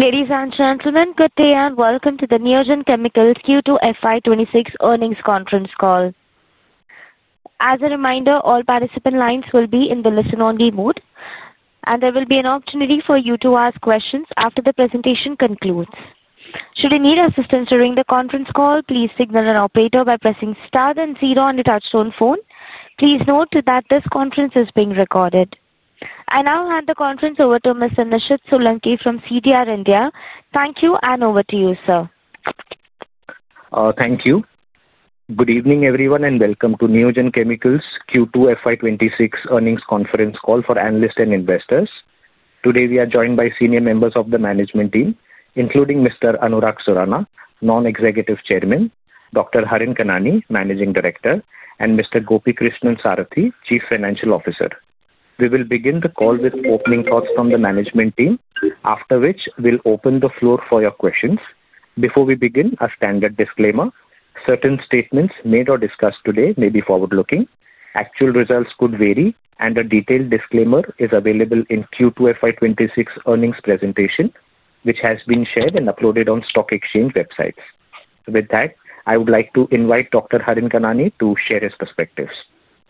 Ladies and gentlemen, good day and welcome to the Neogen Chemicals Q2 FY 2026 earnings conference call. As a reminder, all participant lines will be in the listen-only mode, and there will be an opportunity for you to ask questions after the presentation concludes. Should you need assistance during the conference call, please signal an operator by pressing star then zero on the touchstone phone. Please note that this conference is being recorded. I now hand the conference over to Mr. Nishid Solanki from CDR India. Thank you, and over to you, sir. Thank you. Good evening, everyone, and welcome to Neogen Chemicals Q2 FY 2026 earnings conference call for analysts and investors. Today, we are joined by senior members of the management team, including Mr. Anurag Surana, Non-Executive Chairman, Dr. Harin Kanani, Managing Director, and Mr. Gopikrishnan Sarathy, Chief Financial Officer. We will begin the call with opening thoughts from the management team, after which we'll open the floor for your questions. Before we begin, a standard disclaimer: certain statements made or discussed today may be forward-looking, actual results could vary, and a detailed disclaimer is available in the Q2 FY 2026 earnings presentation, which has been shared and uploaded on stock exchange websites. With that, I would like to invite Dr. Harin Kanani to share his perspectives.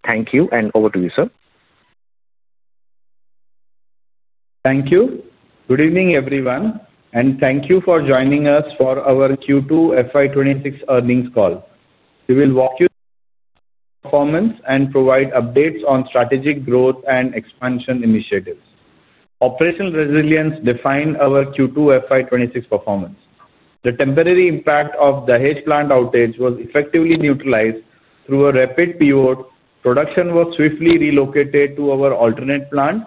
Thank you, and over to you, sir. Thank you. Good evening, everyone, and thank you for joining us for our Q2 FY 2026 earnings call. We will walk you through performance and provide updates on strategic growth and expansion initiatives. Operational resilience defined our Q2 FY 2026 performance. The temporary impact of the Dahej plant outage was effectively neutralized through a rapid PO; production was swiftly relocated to our alternate plant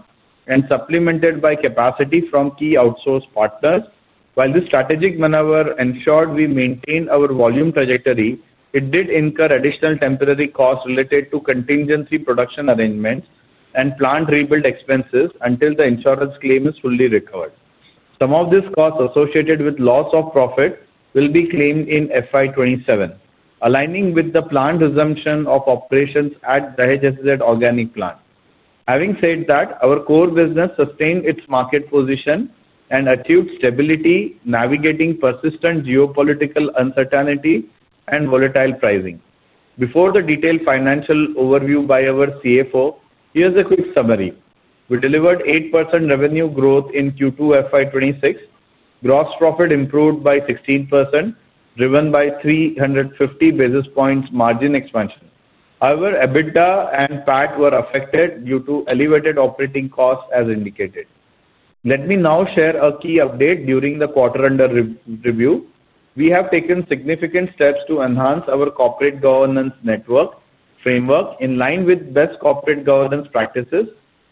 and supplemented by capacity from key outsourced partners. While this strategic maneuver ensured we maintained our volume trajectory, it did incur additional temporary costs related to contingency production arrangements and plant rebuild expenses until the insurance claim is fully recovered. Some of these costs associated with loss of profit will be claimed in FY 2027, aligning with the planned resumption of operations at the Dahej SEZ Organic plant. Having said that, our core business sustained its market position and achieved stability, navigating persistent geopolitical uncertainty and volatile pricing. Before the detailed financial overview by our CFO, here's a quick summary. We delivered 8% revenue growth in Q2 FY 2026, gross profit improved by 16%, driven by 350 basis points margin expansion. However, EBITDA and PAT were affected due to elevated operating costs, as indicated. Let me now share a key update during the quarter-end review. We have taken significant steps to enhance our corporate governance framework in line with best corporate governance practices.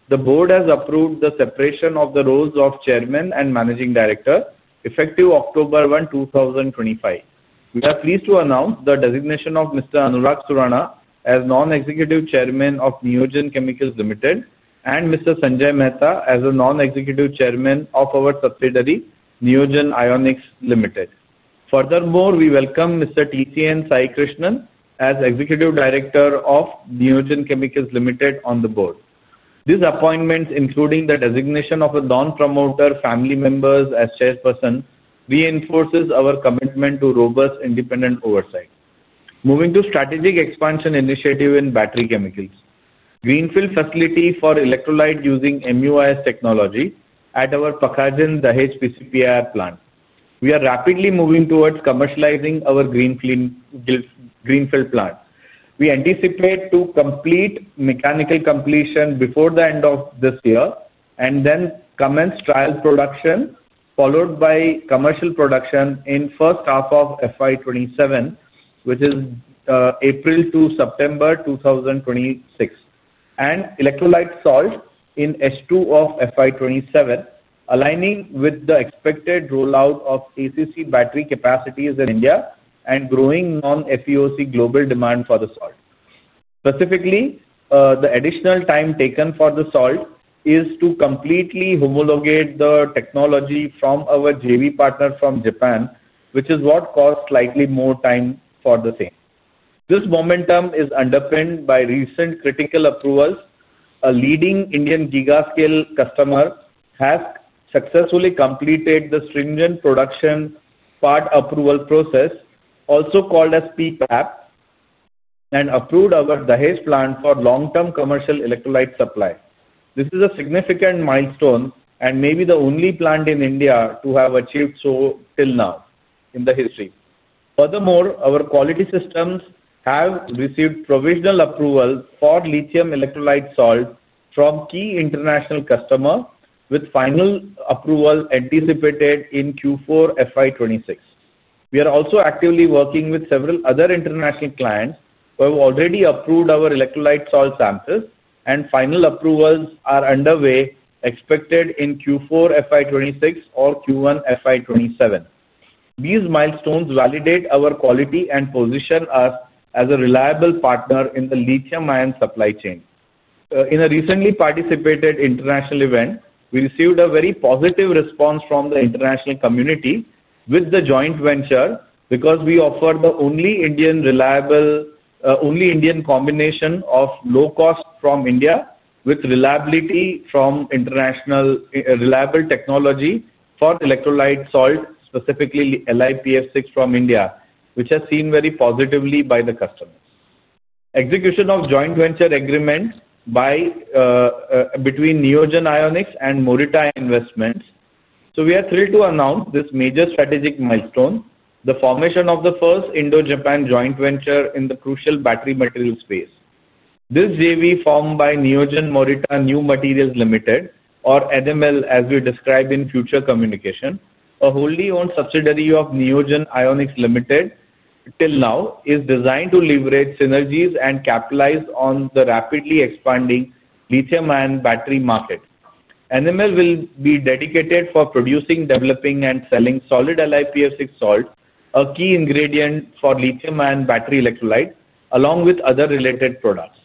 The board has approved the separation of the roles of Chairman and Managing Director, effective October 1, 2025. We are pleased to announce the designation of Mr. Anurag Surana as Non-Executive Chairman of Neogen Chemicals Limited and Mr. Sanjay Mehta as Non-Executive Chairman of our subsidiary, Neogen Ionics Limited. Furthermore, we welcome Mr. TCN Sai Krishnan as Executive Director of Neogen Chemicals Limited on the board. These appointments, including the designation of a non-promoter family member as Chairperson, reinforce our commitment to robust independent oversight. Moving to strategic expansion initiative in Battery Chemicals: greenfield facility for Electrolyte using MUIS technology at our Pakhajan, Dahej PCPIR plant. We are rapidly moving towards commercializing our greenfield plant. We anticipate to complete mechanical completion before the end of this year and then commence trial production, followed by commercial production in the first half of FY 2027, which is April to September 2026, and Electrolyte Salt in H2 of FY 2027, aligning with the expected rollout of ACC battery capacities in India and growing non-FEOC global demand for the salt. Specifically, the additional time taken for the salt is to completely homologate the technology from our JV partner from Japan, which is what costs slightly more time for the same. This momentum is underpinned by recent critical approvals. A leading Indian gigascale customer has successfully completed the stringent production part approval process, also called as PPAP, and approved our Dahej plant for long-term commercial Electrolyte supply. This is a significant milestone and may be the only plant in India to have achieved so till now in the history. Furthermore, our quality systems have received provisional approval for Lithium Electrolyte Salt from key international customers, with final approval anticipated in Q4 FY 2026. We are also actively working with several other international clients who have already approved our electrolyte salt samples, and final approvals are underway, expected in Q4 FY 2026 or Q1 FY 2027. These milestones validate our quality and position us as a reliable partner in the lithium-ion supply chain. In a recently participated international event, we received a very positive response from the international community with the joint venture because we offer the only Indian combination of low cost from India with reliability from reliable technology for Electrolyte Salt, specifically LiPF6 from India, which has been seen very positively by the customers. Execution of joint venture agreements between Neogen Ionics and Morita Investments. So we are thrilled to announce this major strategic milestone: the formation of the first Indo-Japan joint venture in the crucial battery material space. This JV formed by Neogen Morita New Materials Limited, or NML, as we describe in future communication, a wholly owned subsidiary of Neogen Ionics Limited till now, is designed to leverage synergies and capitalize on the rapidly expanding lithium-ion battery market. NML will be dedicated to producing, developing, and selling solid LiPF6 salt, a key ingredient for lithium-ion battery electrolyte, along with other related products.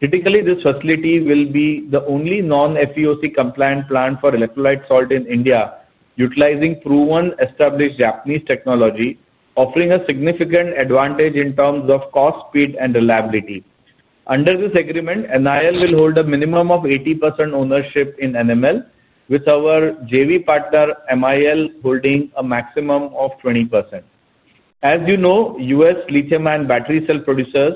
Typically, this facility will be the only non-FEOC compliant plant for Electrolyte Salt in India, utilizing proven established Japanese technology, offering a significant advantage in terms of cost, speed, and reliability. Under this agreement, NIL will hold a minimum of 80% ownership in NML, with our JV partner MIL holding a maximum of 20%. As you know, U.S. lithium-ion battery cell producers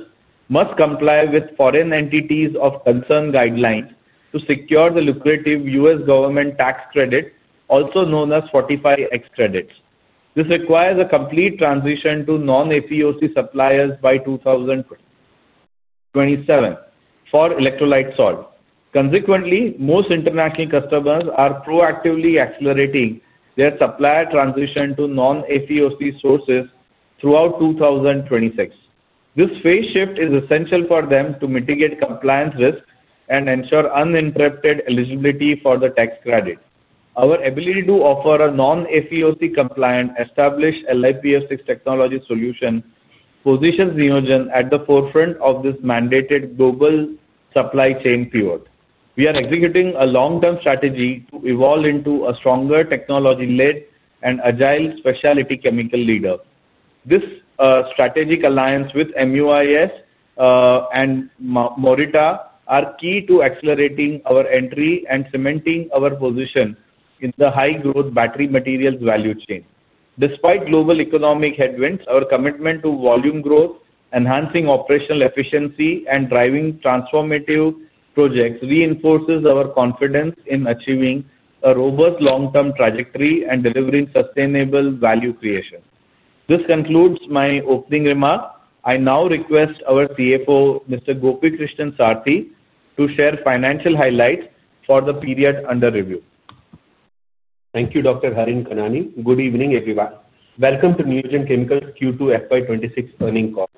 must comply with foreign entities' concern guidelines to secure the lucrative U.S. government tax credit, also known as 45x credits. This requires a complete transition to non-FEOC suppliers by 2027 for Electrolyte Salt. Consequently, most international customers are proactively accelerating their supplier transition to non-FEOC sources throughout 2026. This phase shift is essential for them to mitigate compliance risks and ensure uninterrupted eligibility for the tax credit. Our ability to offer a non-FEOC compliant established LiPF6 technology solution positions Neogen at the forefront of this mandated global supply chain pivot. We are executing a long-term strategy to evolve into a stronger technology-led and agile specialty chemical leader. This strategic alliance with MUIS and Morita is key to accelerating our entry and cementing our position in the high-growth battery materials value chain. Despite global economic headwinds, our commitment to volume growth, enhancing operational efficiency, and driving transformative projects reinforces our confidence in achieving a robust long-term trajectory and delivering sustainable value creation. This concludes my opening remark. I now request our CFO, Mr. Gopikrishnan Sarathy, to share financial highlights for the period under review. Thank you, Dr. Harin Kanani. Good evening, everyone. Welcome to Neogen Chemicals Q2 FY 2026 earnings call.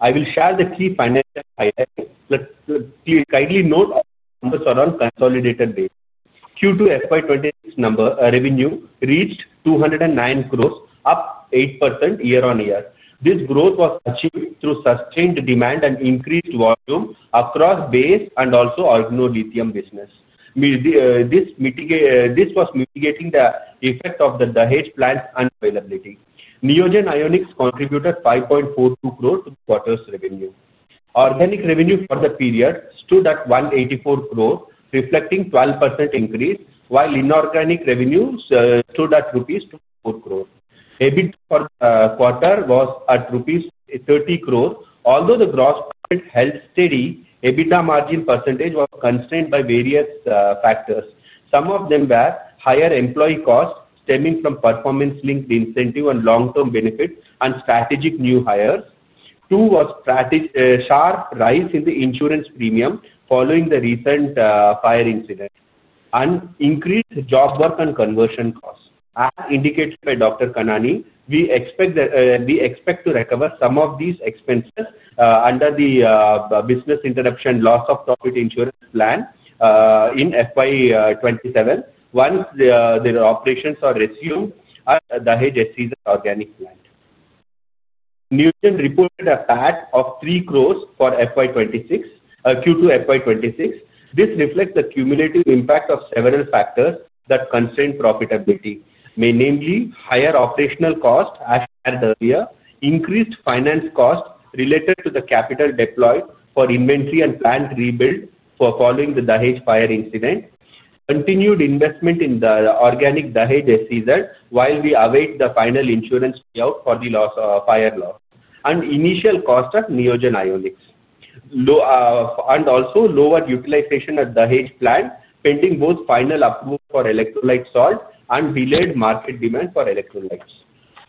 I will share the key financial highlights. Please kindly note our numbers are on consolidated data. Q2 FY 2026 revenue reached 209 crore, up 8% year-on-year. This growth was achieved through sustained demand and increased volume across base and also Lithium business. This was mitigating the effect of the Dahej plant's unavailability. Neogen Ionics contributed 5.42 crore to the quarter's revenue. Organic revenue for the period stood at 184 crore, reflecting a 12% increase, while Inorganic revenue stood at rupees 24 crore. EBITDA for the quarter was at rupees 30 crore. Although the gross profit held steady, EBITDA margin percentage was constrained by various factors. Some of them were higher employee costs stemming from performance-linked incentives and long-term benefits and strategic new hires. Two were sharp rises in the insurance premium following the recent fire incident and increased job work and conversion costs. As indicated by Dr. Kanani, we expect to recover some of these expenses under the business interruption loss of profit insurance plan in FY 2027 once their operations are resumed at Dahej SEZ Organic plant. Neogen reported a PAT of 3 crore for Q2 FY 2026. This reflects the cumulative impact of several factors that constrained profitability, namely higher operational costs, as shared earlier, increased finance costs related to the capital deployed for inventory and plant rebuild following the Dahej fire incident, continued investment in the Organic Dahej SEZ zone while we await the final insurance payout for the fire loss, and initial cost of Neogen Ionics, and also lower utilization at Dahej plant pending both final approval for Electrolyte Salt and delayed market demand for electrolytes.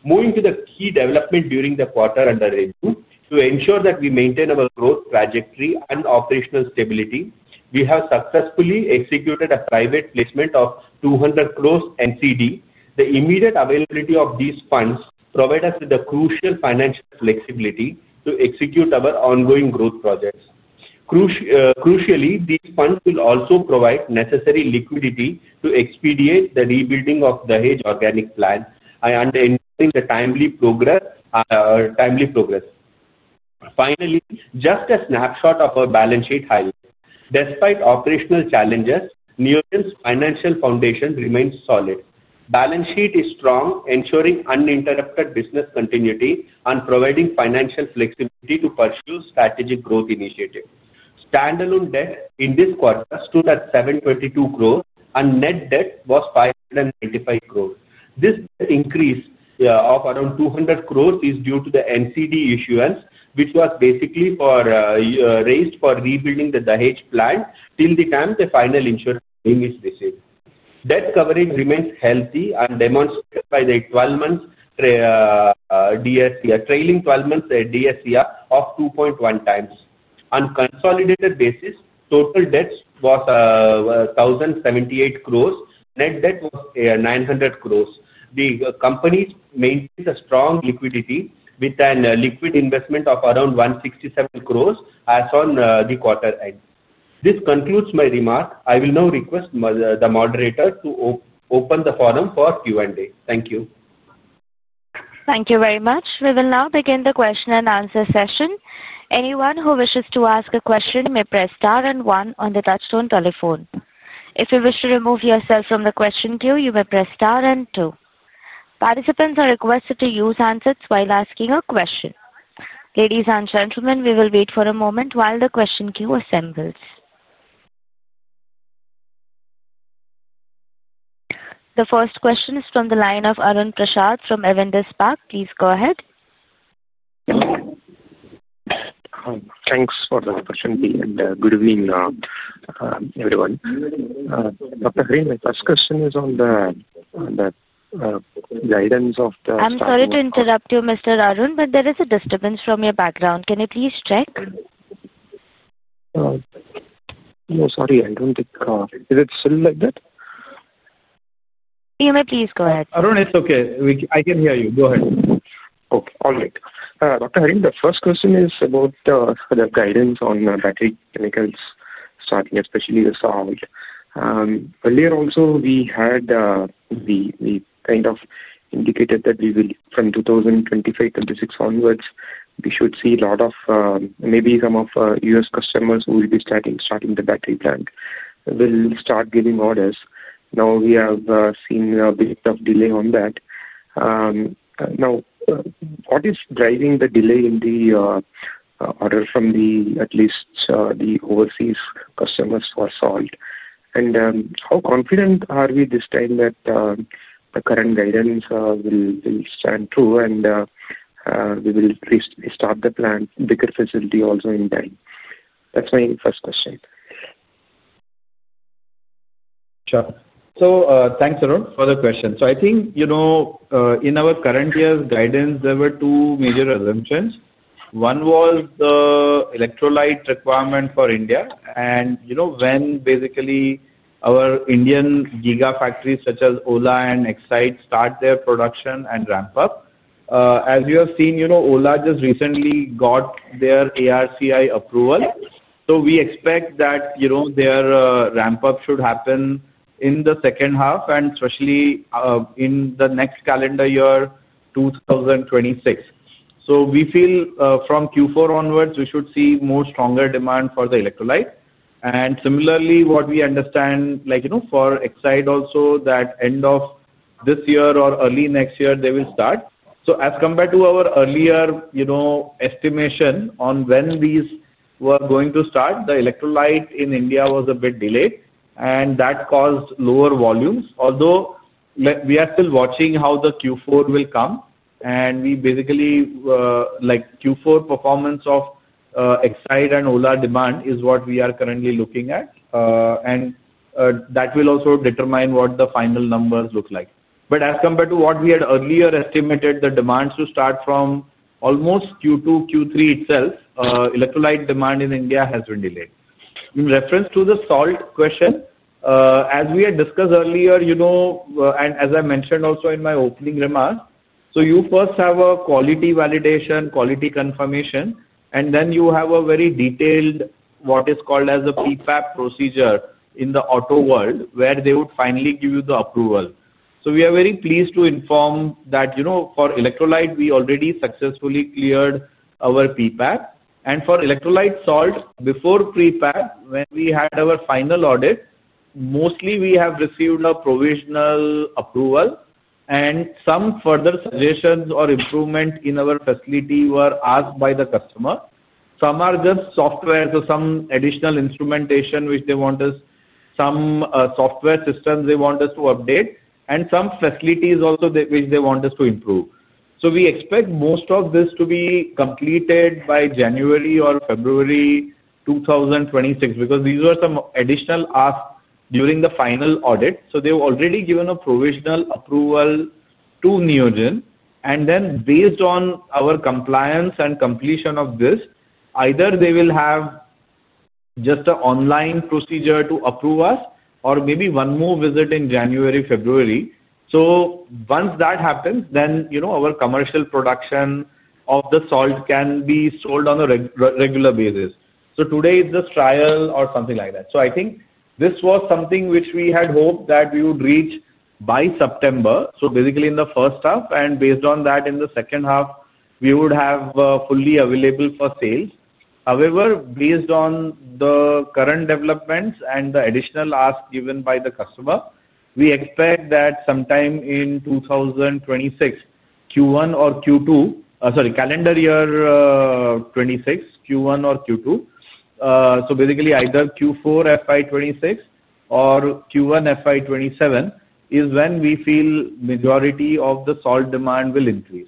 Moving to the key development during the quarter under review, to ensure that we maintain our growth trajectory and operational stability, we have successfully executed a private placement of 200 crore NCD. The immediate availability of these funds provides us with the crucial financial flexibility to execute our ongoing growth projects. Crucially, these funds will also provide necessary liquidity to expedite the rebuilding of Dahej Organic plant and enhancing the timely progress. Finally, just a snapshot of our balance sheet highlights. Despite operational challenges, Neogen's financial foundation remains solid. Balance sheet is strong, ensuring uninterrupted business continuity and providing financial flexibility to pursue strategic growth initiatives. Standalone debt in this quarter stood at 722 crore, and net debt was 595 crore. This increase of around 200 crores is due to the NCD issuance, which was basically raised for rebuilding the Dahej plant till the time the final insurance claim is received. Debt coverage remains healthy and demonstrated by the trailing 12-month DSCR of 2.1x. On a consolidated basis, total debt was 1,078 crores. Net debt was 900 crores. The company maintains a strong liquidity with a liquid investment of around 167 crores as on the quarter end. This concludes my remark. I will now request the moderators to open the forum for Q&A. Thank you. Thank you very much. We will now begin the question and answer session. Anyone who wishes to ask a question may press star and one on the touchstone telephone. If you wish to remove yourself from the question queue, you may press star and two. Participants are requested to use handsets while asking a question. Ladies and gentlemen, we will wait for a moment while the question queue assembles. The first question is from the line of Arun Prasath from Avendus Spark. Please go ahead. Thanks for the question, and good evening, everyone. Dr. Harin, my first question is on the guidance of the. I'm sorry to interrupt you, Mr. Arun, but there is a disturbance from your background. Can you please check? No, sorry, I don't think. Is it still like that? You may please go ahead. Arun, it's okay. I can hear you. Go ahead. Okay. All right. Dr. Harin, the first question is about the guidance on Battery Chemicals starting, especially the salt. Earlier also, we had kind of indicated that from 2025, 2026 onwards, we should see a lot of maybe some of U.S. customers who will be starting the battery plant will start giving orders. Now, we have seen a bit of delay on that. Now, what is driving the delay in the order from at least the overseas customers for salt? And how confident are we this time that the current guidance will stand true and we will restart the plant, bigger facility also in time? That's my first question. Sure. Thanks, Arun. Further question. I think in our current year's guidance, there were two major assumptions. One was the electrolyte requirement for India. When basically our Indian gigafactories such as Ola and Exide start their production and ramp up, as you have seen, Ola just recently got their [ARAIC] approval. We expect that their ramp-up should happen in the second half and especially in the next calendar year, 2026. We feel from Q4 onwards, we should see more stronger demand for the electrolyte. Similarly, what we understand for Exide also, that end of this year or early next year, they will start. As compared to our earlier estimation on when these were going to start, the electrolyte in India was a bit delayed, and that caused lower volumes. Although we are still watching how the Q4 will come, and we basically Q4 performance of Exide and Ola demand is what we are currently looking at. That will also determine what the final numbers look like. As compared to what we had earlier estimated, the demand should start from almost Q2, Q3 itself. Electrolyte demand in India has been delayed. In reference to the salt question, as we had discussed earlier, and as I mentioned also in my opening remarks, you first have a quality validation, quality confirmation, and then you have a very detailed what is called as a prepack procedure in the auto world where they would finally give you the approval. We are very pleased to inform that for electrolyte, we already successfully cleared our prepack. For Electrolyte Salt, before prepack, when we had our final audit, mostly we have received a provisional approval. Some further suggestions or improvement in our facility were asked by the customer. Some are just software, some additional instrumentation which they want us, some software systems they want us to update, and some facilities also which they want us to improve. We expect most of this to be completed by January or February 2026 because these were some additional asks during the final audit. They have already given a provisional approval to Neogen. Based on our compliance and completion of this, either they will have just an online procedure to approve us or maybe one more visit in January, February. Once that happens, our commercial production of the salt can be sold on a regular basis. Today is the trial or something like that. I think this was something which we had hoped that we would reach by September. Basically in the first half, and based on that in the second half, we would have fully available for sale. However, based on the current developments and the additional ask given by the customer, we expect that sometime in 2026, Q1 or Q2, sorry, calendar year 2026, Q1 or Q2. Basically either Q4 FY 2026 or Q1 FY 2027 is when we feel the majority of the salt demand will increase.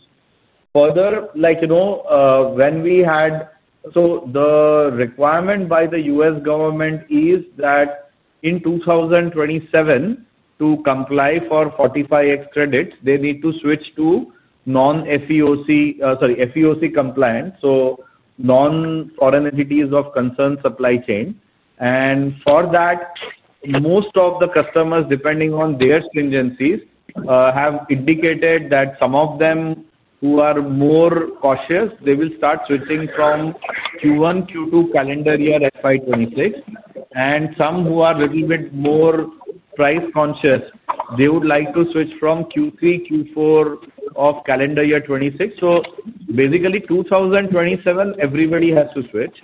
Further, when we had so the requirement by the U.S. government is that in 2027, to comply for 45x credits, they need to switch to non-FEOC compliance, so non-foreign entities of concern supply chain. For that, most of the customers, depending on their stringencies, have indicated that some of them who are more cautious, they will start switching from Q1, Q2, calendar year 2026. Some who are a little bit more price conscious, they would like to switch from Q3, Q4 of calendar year 2026. Basically, 2027, everybody has to switch.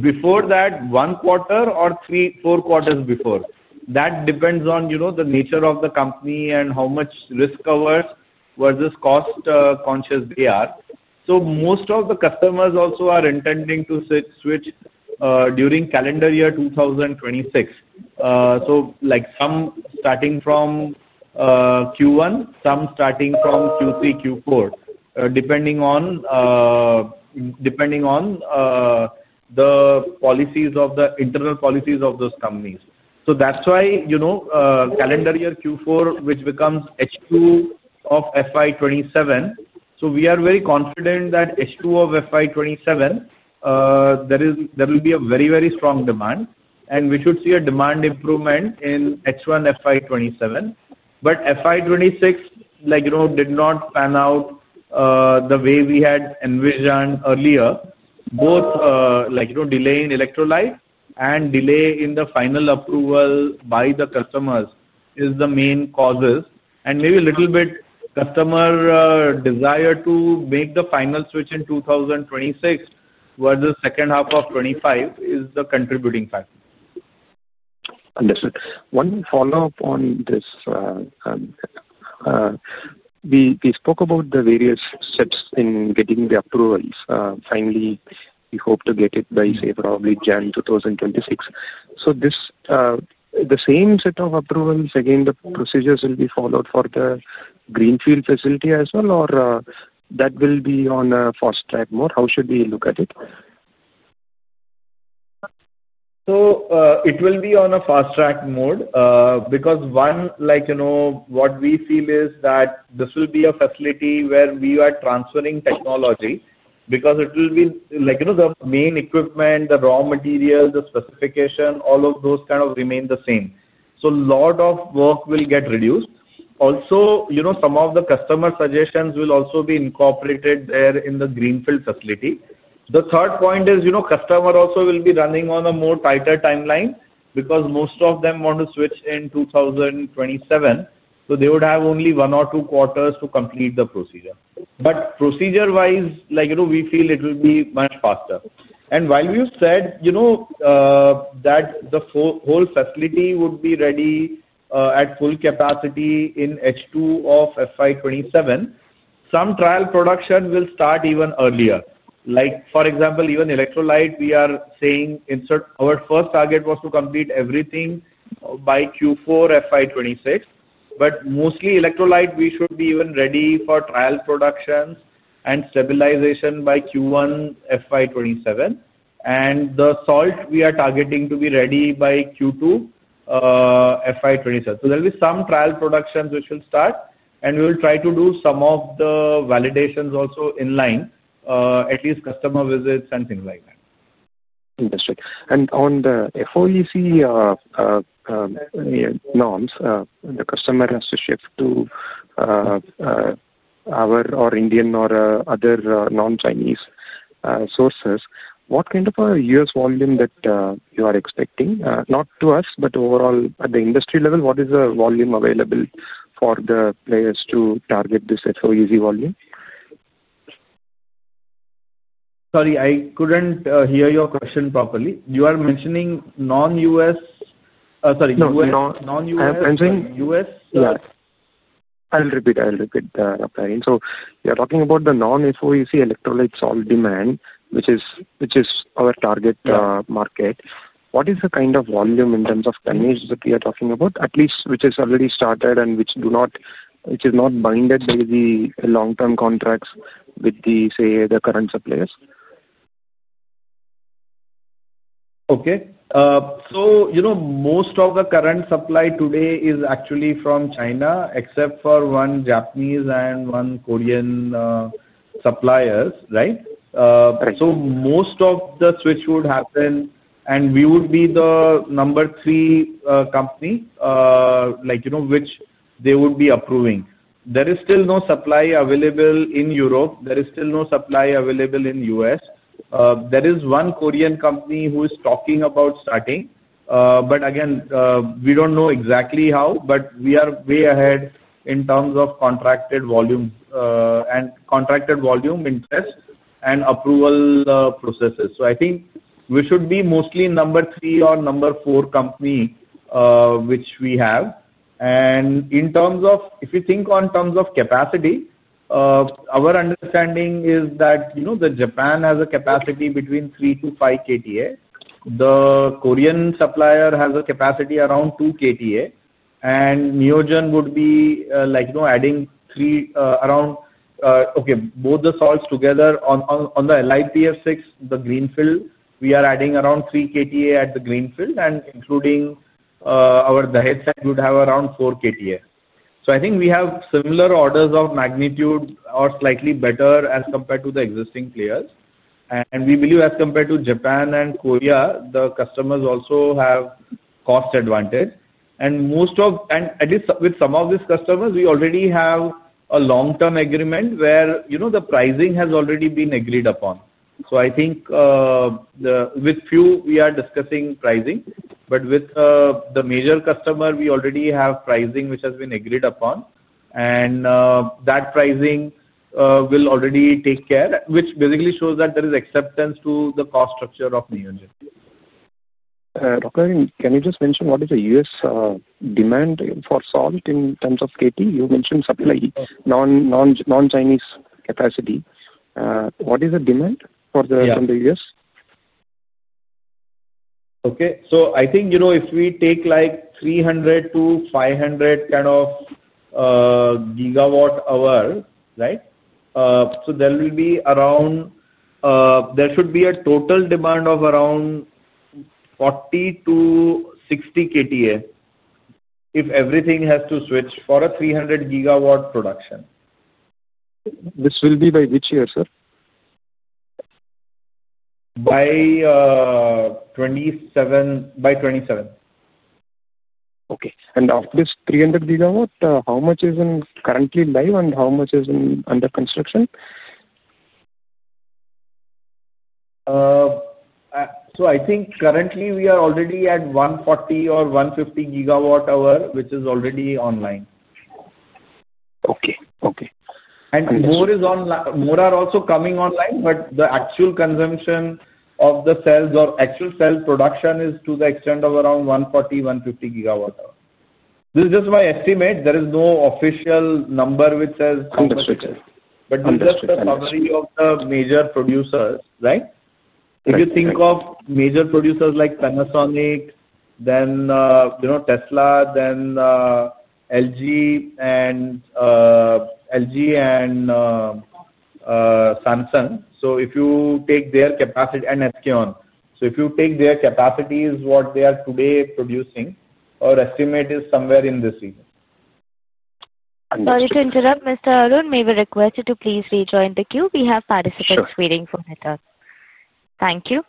Before that, one quarter or four quarters before. That depends on the nature of the company and how much risk cover versus cost conscious they are. Most of the customers also are intending to switch during calendar year 2026. Some starting from Q1, some starting from Q3, Q4, depending on the internal policies of those companies. That is why calendar year Q4, which becomes H2 of FY 2027. We are very confident that H2 of FY 2027, there will be a very, very strong demand. We should see a demand improvement in H1, FY 2027. FY 2026 did not pan out the way we had envisioned earlier. Both delay in Electrolyte and delay in the final approval by the customers is the main causes. Maybe a little bit customer desire to make the final switch in 2026 versus second half of 2025 is the contributing factor. Understood. One follow-up on this. We spoke about the various steps in getting the approvals. Finally, we hope to get it by, say, probably January 2026. The same set of approvals, again, the procedures will be followed for the greenfield facility as well, or that will be on a fast track mode? How should we look at it? It will be on a fast track mode because, one, what we feel is that this will be a facility where we are transferring technology because it will be the main equipment, the raw material, the specification, all of those kind of remain the same. A lot of work will get reduced. Also, some of the customer suggestions will also be incorporated there in the greenfield facility. The third point is customer also will be running on a more tighter timeline because most of them want to switch in 2027. They would have only one or two quarters to complete the procedure. Procedure-wise, we feel it will be much faster. While we have said that the whole facility would be ready at full capacity in H2 of FY 2027, some trial production will start even earlier. For example, even Electrolyte, we are saying our first target was to complete everything by Q4 FY 2026. Mostly, Electrolyte, we should be even ready for trial productions and stabilization by Q1 FY 2027. The salt, we are targeting to be ready by Q2 FY 2027. There will be some trial productions which will start, and we will try to do some of the validations also in line, at least customer visits and things like that. Understood. On the FEOC norms, the customer has to shift to our or Indian or other non-Chinese sources. What kind of a U.S. volume are you expecting? Not to us, but overall at the industry level, what is the volume available for the players to target this FEOC volume? Sorry, I couldn't hear your question properly. You are mentioning non-U.S., sorry, U.S. and U.S.? I will repeat the question. So you're talking about the non-FEOC Electrolyte Salt demand, which is our target market. What is the kind of volume in terms of tonnage that you're talking about, at least which has already started and which is not binded by the long-term contracts with the, say, the current suppliers? Okay. Most of the current supply today is actually from China, except for one Japanese and one Korean supplier, right? Most of the switch would happen, and we would be the number three company which they would be approving. There is still no supply available in Europe. There is still no supply available in the U.S. There is one Korean company who is talking about starting. Again, we do not know exactly how, but we are way ahead in terms of contracted volume and contracted volume interest and approval processes. I think we should be mostly number three or number four company which we have. In terms of if you think on terms of capacity, our understanding is that Japan has a capacity between 3 KTA-5 KTA. The Korean supplier has a capacity around 2 KTA. Neogen would be adding around, okay, both the salts together on the LiPF6, the greenfield, we are adding around 3 KTA at the greenfield, and including our Dahej, we would have around 4 KTA. I think we have similar orders of magnitude or slightly better as compared to the existing players. We believe as compared to Japan and Korea, the customers also have cost advantage. At least with some of these customers, we already have a long-term agreement where the pricing has already been agreed upon. I think with few, we are discussing pricing. With the major customer, we already have pricing which has been agreed upon. That pricing will already take care, which basically shows that there is acceptance to the cost structure of Neogen. Can you just mention what is the U.S. demand for salt in terms of KT? You mentioned supply non-Chinese capacity. What is the demand from the U.S.? Okay. So I think if we take like 300-500 kind of gigawatt hour, right, so there will be around there should be a total demand of around 40 KTA-60 KTA if everything has to switch for a 300 GW production. This will be by which year, sir? By 2027. Okay. Of this 300 GW, how much is currently live and how much is under construction? I think currently we are already at 140 GWh or 150 GWh, which is already online. Okay. Okay. More are also coming online, but the actual consumption of the cells or actual cell production is to the extent of around 140 GWh-150 GWh. This is just my estimate. There is no official number which says how much. This is just the summary of the major producers, right? If you think of major producers like Panasonic, Tesla, LG, and Samsung. If you take their capacity and [SK On], if you take their capacities, what they are today producing, our estimate is somewhere in this region. Sorry to interrupt, Mr. Arun, may we request you to please rejoin the queue? We have participants waiting for it. Thank you.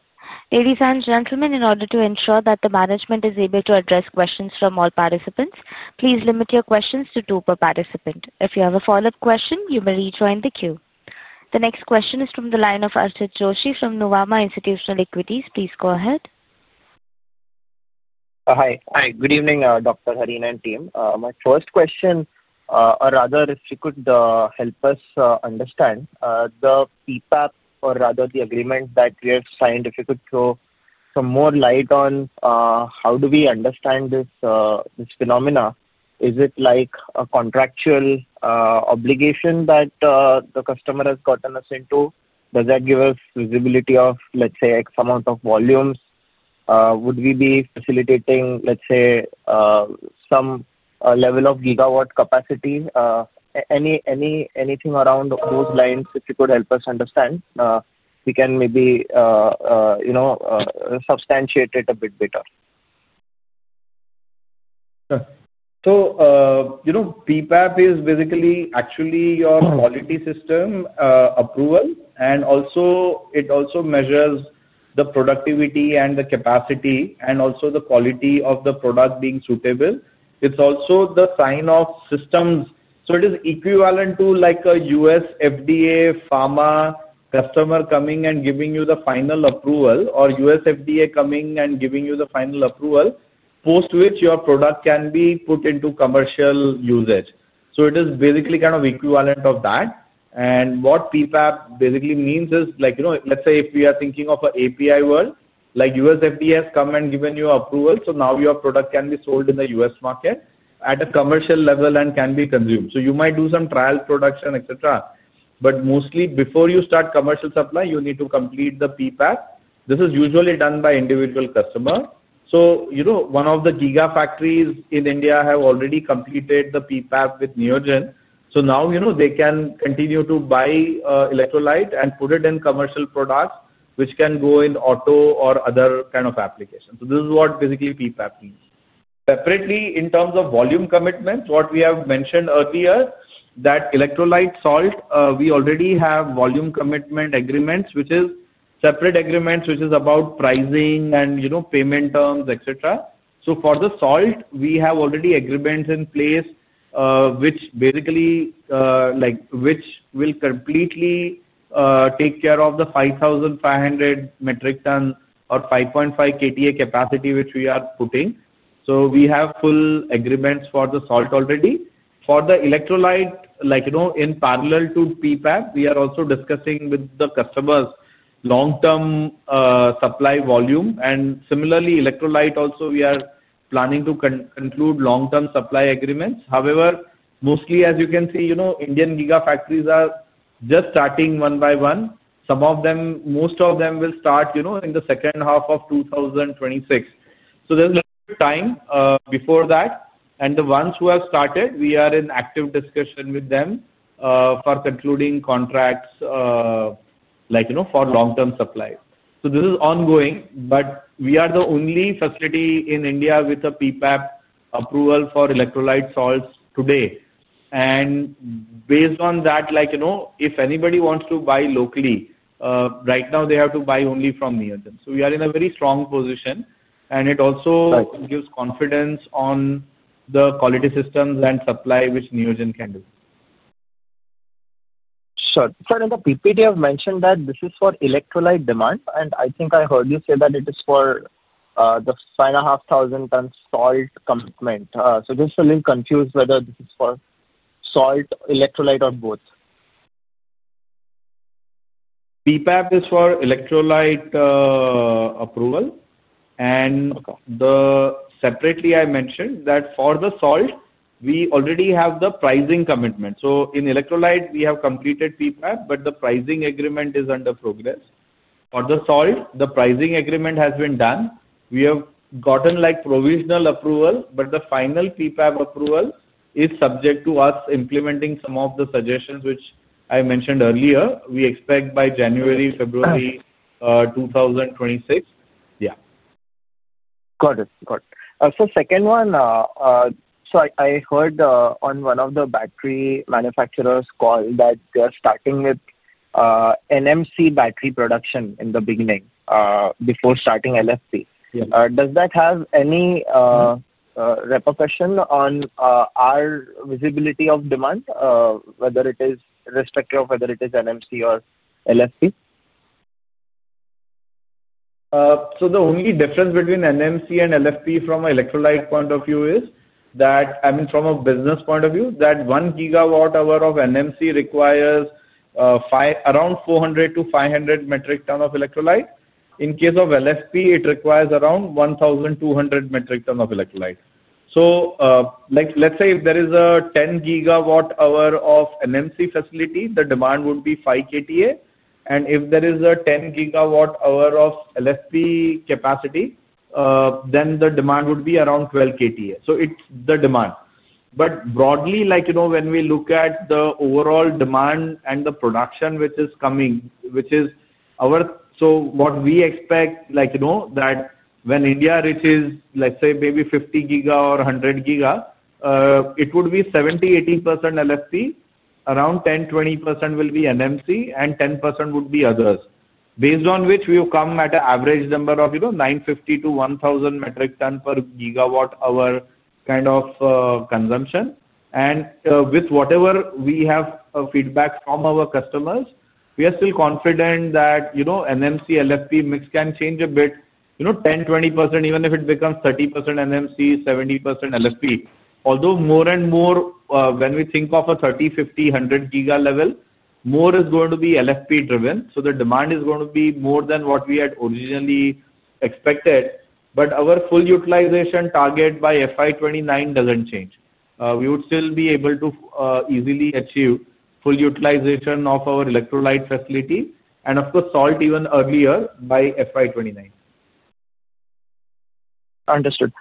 Ladies and gentlemen, in order to ensure that the management is able to address questions from all participants, please limit your questions to two per participant. If you have a follow-up question, you may rejoin the queue. The next question is from the line of Archit Joshi from Nuvama Institutional Equities. Please go ahead. Hi. Good evening, Dr. Harin and team. My first question, or rather if you could help us understand the prepack, or rather the agreement that we have signed, if you could throw some more light on how do we understand this phenomena. Is it like a contractual obligation that the customer has gotten us into? Does that give us visibility of, let's say, X amount of volumes? Would we be facilitating, let's say, some level of gigawatt capacity? Anything around those lines, if you could help us understand, we can maybe substantiate it a bit better. Prepack is basically actually your quality system approval, and it also measures the productivity and the capacity and also the quality of the product being suitable. It is also the sign of systems. It is equivalent to a U.S. FDA pharma customer coming and giving you the final approval, or U.S. FDA coming and giving you the final approval, post which your product can be put into commercial usage. It is basically kind of equivalent of that. What repack basically means is, let's say if we are thinking of an API world, U.S. FDA has come and given you approval, so now your product can be sold in the U.S. market at a commercial level and can be consumed. You might do some trial production, etc. Mostly before you start commercial supply, you need to complete the prepack. This is usually done by individual customer. One of the giga factories in India have already completed the prepack with Neogen. Now they can continue to buy electrolyte and put it in commercial products which can go in auto or other kind of applications. This is what basically prepack means. Separately, in terms of volume commitments, what we have mentioned earlier, that Electrolyte Salt, we already have volume commitment agreements, which is separate agreements which is about pricing and payment terms, etc. For the salt, we have already agreements in place which basically will completely take care of the 5,500 metric tons or 5.5 KTA capacity which we are putting. We have full agreements for the salt already. For the Electrolyte, in parallel to prepack, we are also discussing with the customers long-term supply volume. Similarly, Electrolyte also we are planning to conclude long-term supply agreements. However, mostly, as you can see, Indian giga factories are just starting one by one. Some of them, most of them will start in the second half of 2026. There is a little bit of time before that. The ones who have started, we are in active discussion with them for concluding contracts for long-term supply. This is ongoing, but we are the only facility in India with a prepack approval for electrolyte salts today. Based on that, if anybody wants to buy locally, right now they have to buy only from Neogen. We are in a very strong position, and it also gives confidence on the quality systems and supply which Neogen can do. Sir, [Gopi] have mentioned that this is for Electrolyte demand, and I think I heard you say that it is for the 5,500 tons salt commitment. So just a little confused whether this is for Salt, Electrolyte, or both. Prepack is for Electrolyte approval. Separately, I mentioned that for the salt, we already have the pricing commitment. In Electrolyte, we have completed prepack, but the pricing agreement is under progress. For the salt, the pricing agreement has been done. We have gotten provisional approval, but the final prepack approval is subject to us implementing some of the suggestions which I mentioned earlier. We expect by January, February 2026. Yeah. Got it. Got it. Second one, I heard on one of the battery manufacturers' call that they are starting with NMC battery production in the beginning before starting LFP. Does that have any repercussion on our visibility of demand, whether it is respective of whether it is NMC or LFP? The only difference between NMC and LFP from an electrolyte point of view is that, I mean, from a business point of view, that 1 GWh of NMC requires around 400-500 metric tons of electrolyte. In case of LFP, it requires around 1,200 metric tons of electrolyte. Let's say if there is a 10 GWh of NMC facility, the demand would be 5 KTA. If there is a 10 GWh of LFP capacity, then the demand would be around 12 KTA. It's the demand. Broadly, when we look at the overall demand and the production which is coming, which is our so what we expect is that when India reaches, let's say, maybe 50 GW or 100 GW, it would be 70%-80% LFP, around 10%-20% will be NMC, and 10% would be others. Based on which we have come at an average number of 950-1,000 metric tons per gigawatt hour kind of consumption. With whatever we have feedback from our customers, we are still confident that NMC, LFP mix can change a bit, 10%, 20%, even if it becomes 30% NMC, 70% LFP. Although more and more, when we think of a 30 GW, 50 GW, 100 GW level, more is going to be LFP driven. The demand is going to be more than what we had originally expected. Our full utilization target by FY 2029 does not change. We would still be able to easily achieve full utilization of our electrolyte facility and, of course, salt even earlier by FY 2029. Understood.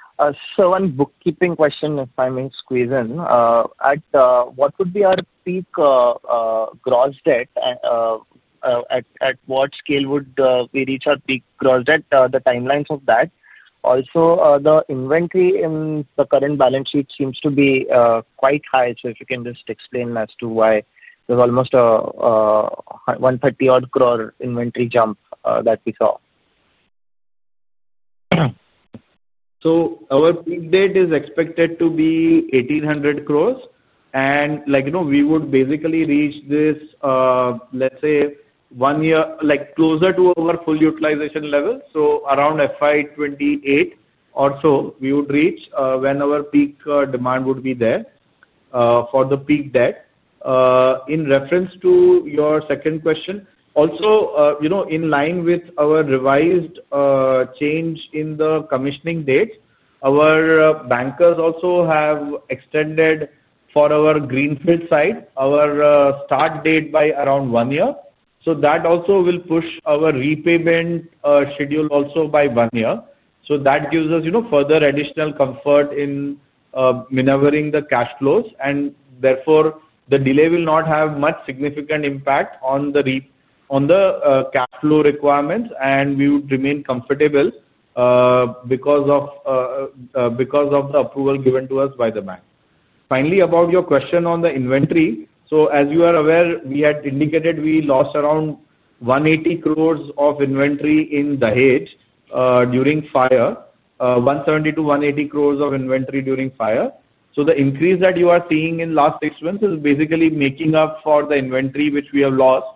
One bookkeeping question, if I may squeeze in. What would be our peak gross debt? At what scale would we reach our peak gross debt? The timelines of that. Also, the inventory in the current balance sheet seems to be quite high. If you can just explain as to why there is almost an 130 crore inventory jump that we saw. Our peak debt is expected to be 1,800 crore. We would basically reach this, let's say, one year closer to our full utilization level, so around FY 2028 or so we would reach when our peak demand would be there for the peak debt. In reference to your second question, also in line with our revised change in the commissioning date, our bankers also have extended for our greenfield site, our start date by around one year. That also will push our repayment schedule by one year. That gives us further additional comfort in maneuvering the cash flows. Therefore, the delay will not have much significant impact on the cash flow requirements, and we would remain comfortable because of the approval given to us by the bank. Finally, about your question on the inventory, as you are aware, we had indicated we lost around 180 crores of inventory in Dahej during fire, 170 crore-180 crore of inventory during fire. The increase that you are seeing in the last six months is basically making up for the inventory which we have lost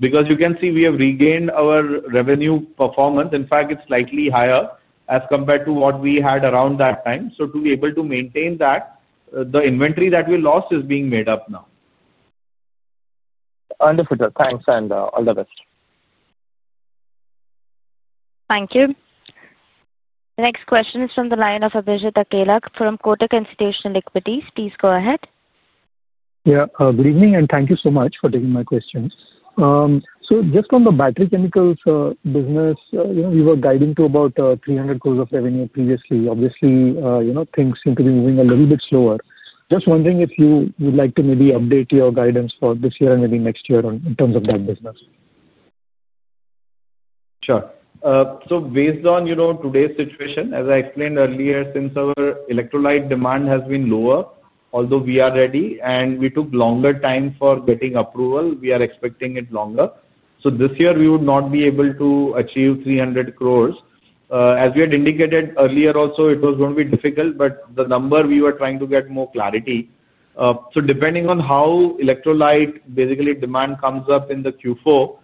because you can see we have regained our revenue performance. In fact, it is slightly higher as compared to what we had around that time. To be able to maintain that, the inventory that we lost is being made up now. Understood. Thanks, and all the best. Thank you. The next question is from the line of Abhijit Akella from Kotak Institutional Equities. Please go ahead. Yeah. Good evening, and thank you so much for taking my questions. Just on the Battery Chemicals business, we were guiding to about 300 crore of revenue previously. Obviously, things seem to be moving a little bit slower. Just wondering if you would like to maybe update your guidance for this year and maybe next year in terms of that business. Sure. Based on today's situation, as I explained earlier, since our electrolyte demand has been lower, although we are ready and we took longer time for getting approval, we are expecting it longer. This year, we would not be able to achieve 300 crore. As we had indicated earlier, also, it was going to be difficult, but the number we were trying to get more clarity. Depending on how electrolyte basically demand comes up in Q4,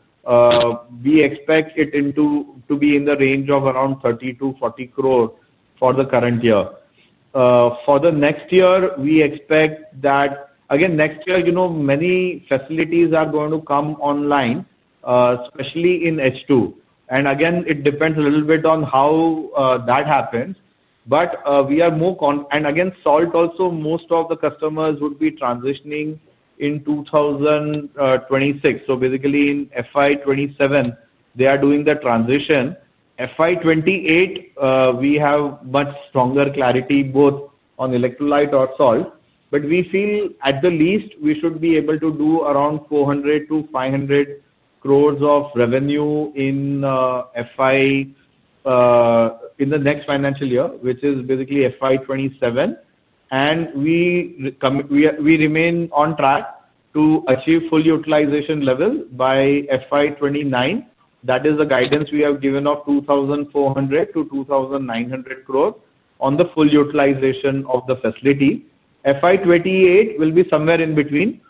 we expect it to be in the range of around 30 crore-40 crore for the current year. For the next year, we expect that again, next year, many facilities are going to come online, especially in H2. Again, it depends a little bit on how that happens. We are more, and again, salt also, most of the customers would be transitioning in 2026. Basically, in FY 2027, they are doing the transition. FY 2028, we have much stronger clarity both on Electrolyte or Salt. We feel at the least we should be able to do around 400 crore-500 crore of revenue in the next financial year, which is basically FY 2027. We remain on track to achieve full utilization level by FY 2029. That is the guidance we have given of 2,400 crore-2,900 crore on the full utilization of the facility. FY 2028 will be somewhere in between.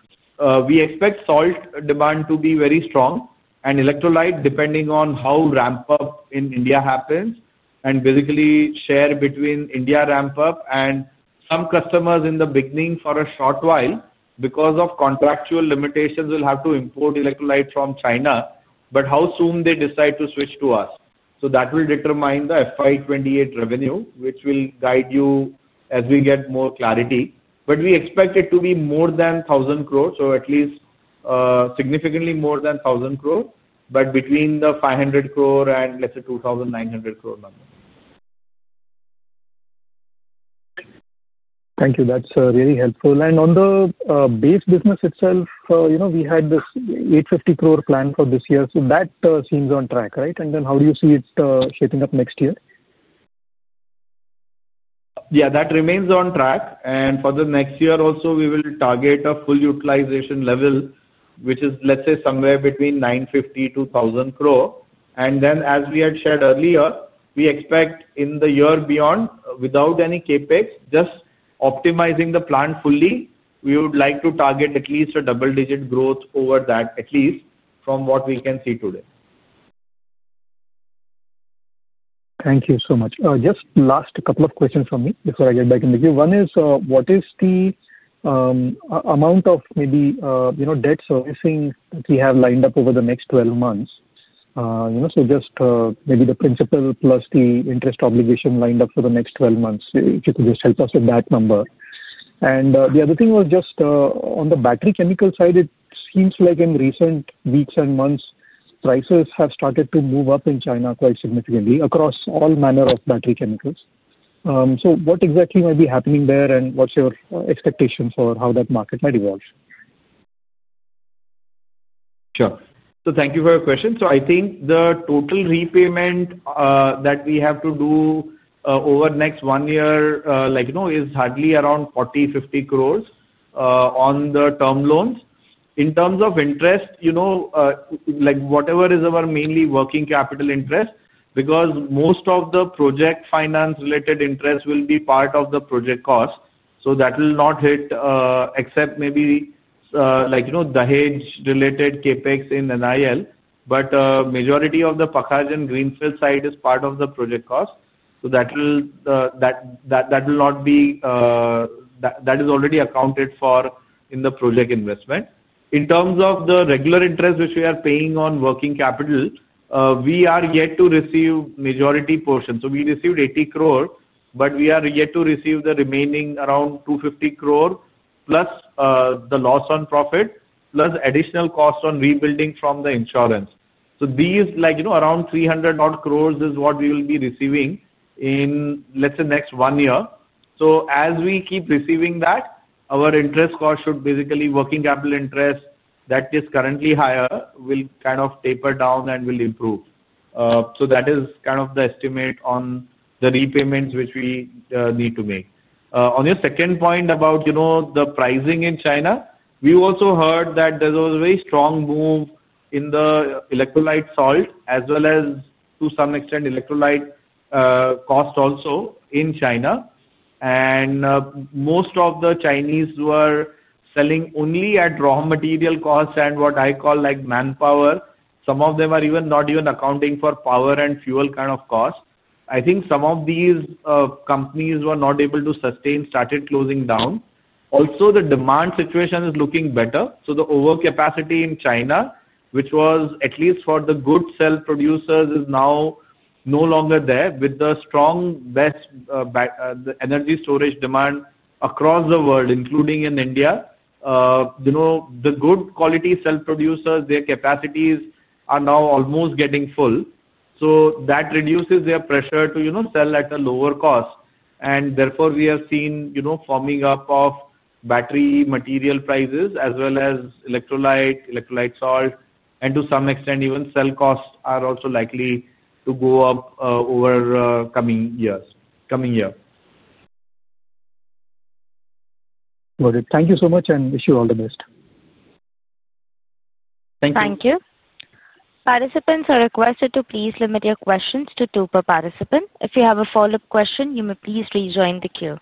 We expect Salt demand to be very strong and Electrolyte depending on how ramp-up in India happens and basically share between India ramp-up and some customers in the beginning for a short while because of contractual limitations will have to import electrolyte from China. How soon they decide to switch to us. That will determine the FY 2028 revenue, which will guide you as we get more clarity. We expect it to be more than 1,000 crore, at least significantly more than 1,000 crore, but between the 500 crore and, let's say, 2,900 crore number. Thank you. That's really helpful. On the base business itself, we had this 850 crore plan for this year. That seems on track, right? How do you see it shaping up next year? Yeah, that remains on track. For the next year also, we will target a full utilization level, which is, let's say, somewhere between 950 crore-1,000 crore. As we had shared earlier, we expect in the year beyond, without any CapEx, just optimizing the plant fully, we would like to target at least a double-digit growth over that at least from what we can see today. Thank you so much. Just last couple of questions from me before I get back in the queue. One is, what is the amount of maybe debt servicing that we have lined up over the next 12 months? Just maybe the principal plus the interest obligation lined up for the next 12 months, if you could just help us with that number. The other thing was just on the Battery Chemical side, it seems like in recent weeks and months, prices have started to move up in China quite significantly across all manner of Battery Chemicals. What exactly might be happening there, and what's your expectation for how that market might evolve? Sure. Thank you for your question. I think the total repayment that we have to do over the next one year is hardly around 40 crore-50 crore on the term loans. In terms of interest, whatever is our mainly working capital interest, because most of the project finance-related interest will be part of the project cost. That will not hit except maybe Dahej-related CapEx in Ionics. The majority of the Pakhajan greenfield site is part of the project cost. That is already accounted for in the project investment. In terms of the regular interest, which we are paying on working capital, we are yet to receive the majority portion. We received 80 crore, but we are yet to receive the remaining around 250 crore plus the loss on profit plus additional cost on rebuilding from the insurance. These around 300 crore is what we will be receiving in, let's say, next one year. As we keep receiving that, our interest cost, basically working capital interest that is currently higher, will kind of taper down and will improve. That is kind of the estimate on the repayments which we need to make. On your second point about the pricing in China, we also heard that there is a very strong move in the Electrolyte Salt as well as to some extent electrolyte cost also in China. Most of the Chinese were selling only at raw material cost and what I call manpower. Some of them are not even accounting for power and fuel kind of cost. I think some of these companies were not able to sustain, started closing down. Also, the demand situation is looking better. The overcapacity in China, which was at least for the good cell producers, is now no longer there. With the strong best energy storage demand across the world, including in India, the good quality cell producers, their capacities are now almost getting full. That reduces their pressure to sell at a lower cost. Therefore, we have seen forming up of battery material prices as well as Electrolyte, Electrolyte Salt, and to some extent, even cell costs are also likely to go up over coming years. Got it. Thank you so much, and wish you all the best. Thank you. Thank you. Participants are requested to please limit your questions to two per participant. If you have a follow-up question, you may please rejoin the queue.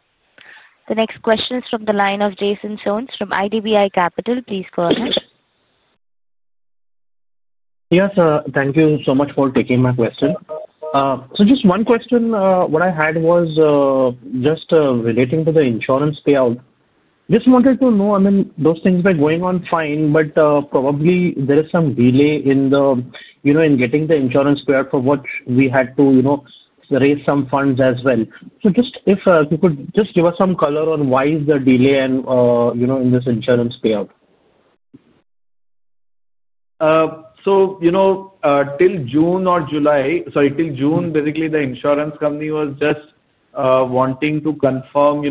The next question is from the line of Jason Soans from IDBI Capital. Please go ahead. Yes, thank you so much for taking my question. Just one question. What I had was just relating to the insurance payout. Just wanted to know, I mean, those things were going on fine, but probably there is some delay in getting the insurance payout for which we had to raise some funds as well. Just if you could just give us some color on why is the delay in this insurance payout. Till June, basically, the insurance company was just wanting to confirm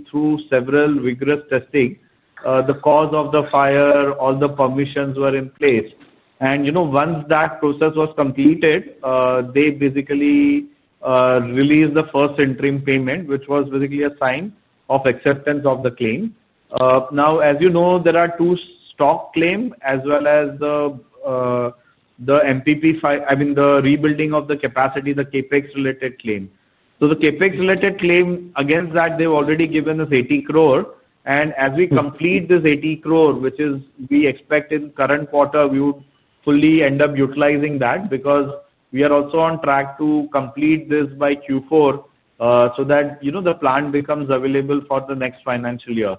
through several vigorous testing the cause of the fire, all the permissions were in place. Once that process was completed, they basically released the first interim payment, which was basically a sign of acceptance of the claim. Now, as you know, there are two stock claims as well as the MPP, I mean, the rebuilding of the capacity, the CapEx-related claim. The CapEx-related claim against that, they've already given us 80 crore. As we complete this 80 crore, which is we expect in current quarter, we would fully end up utilizing that because we are also on track to complete this by Q4 so that the plant becomes available for the next financial year.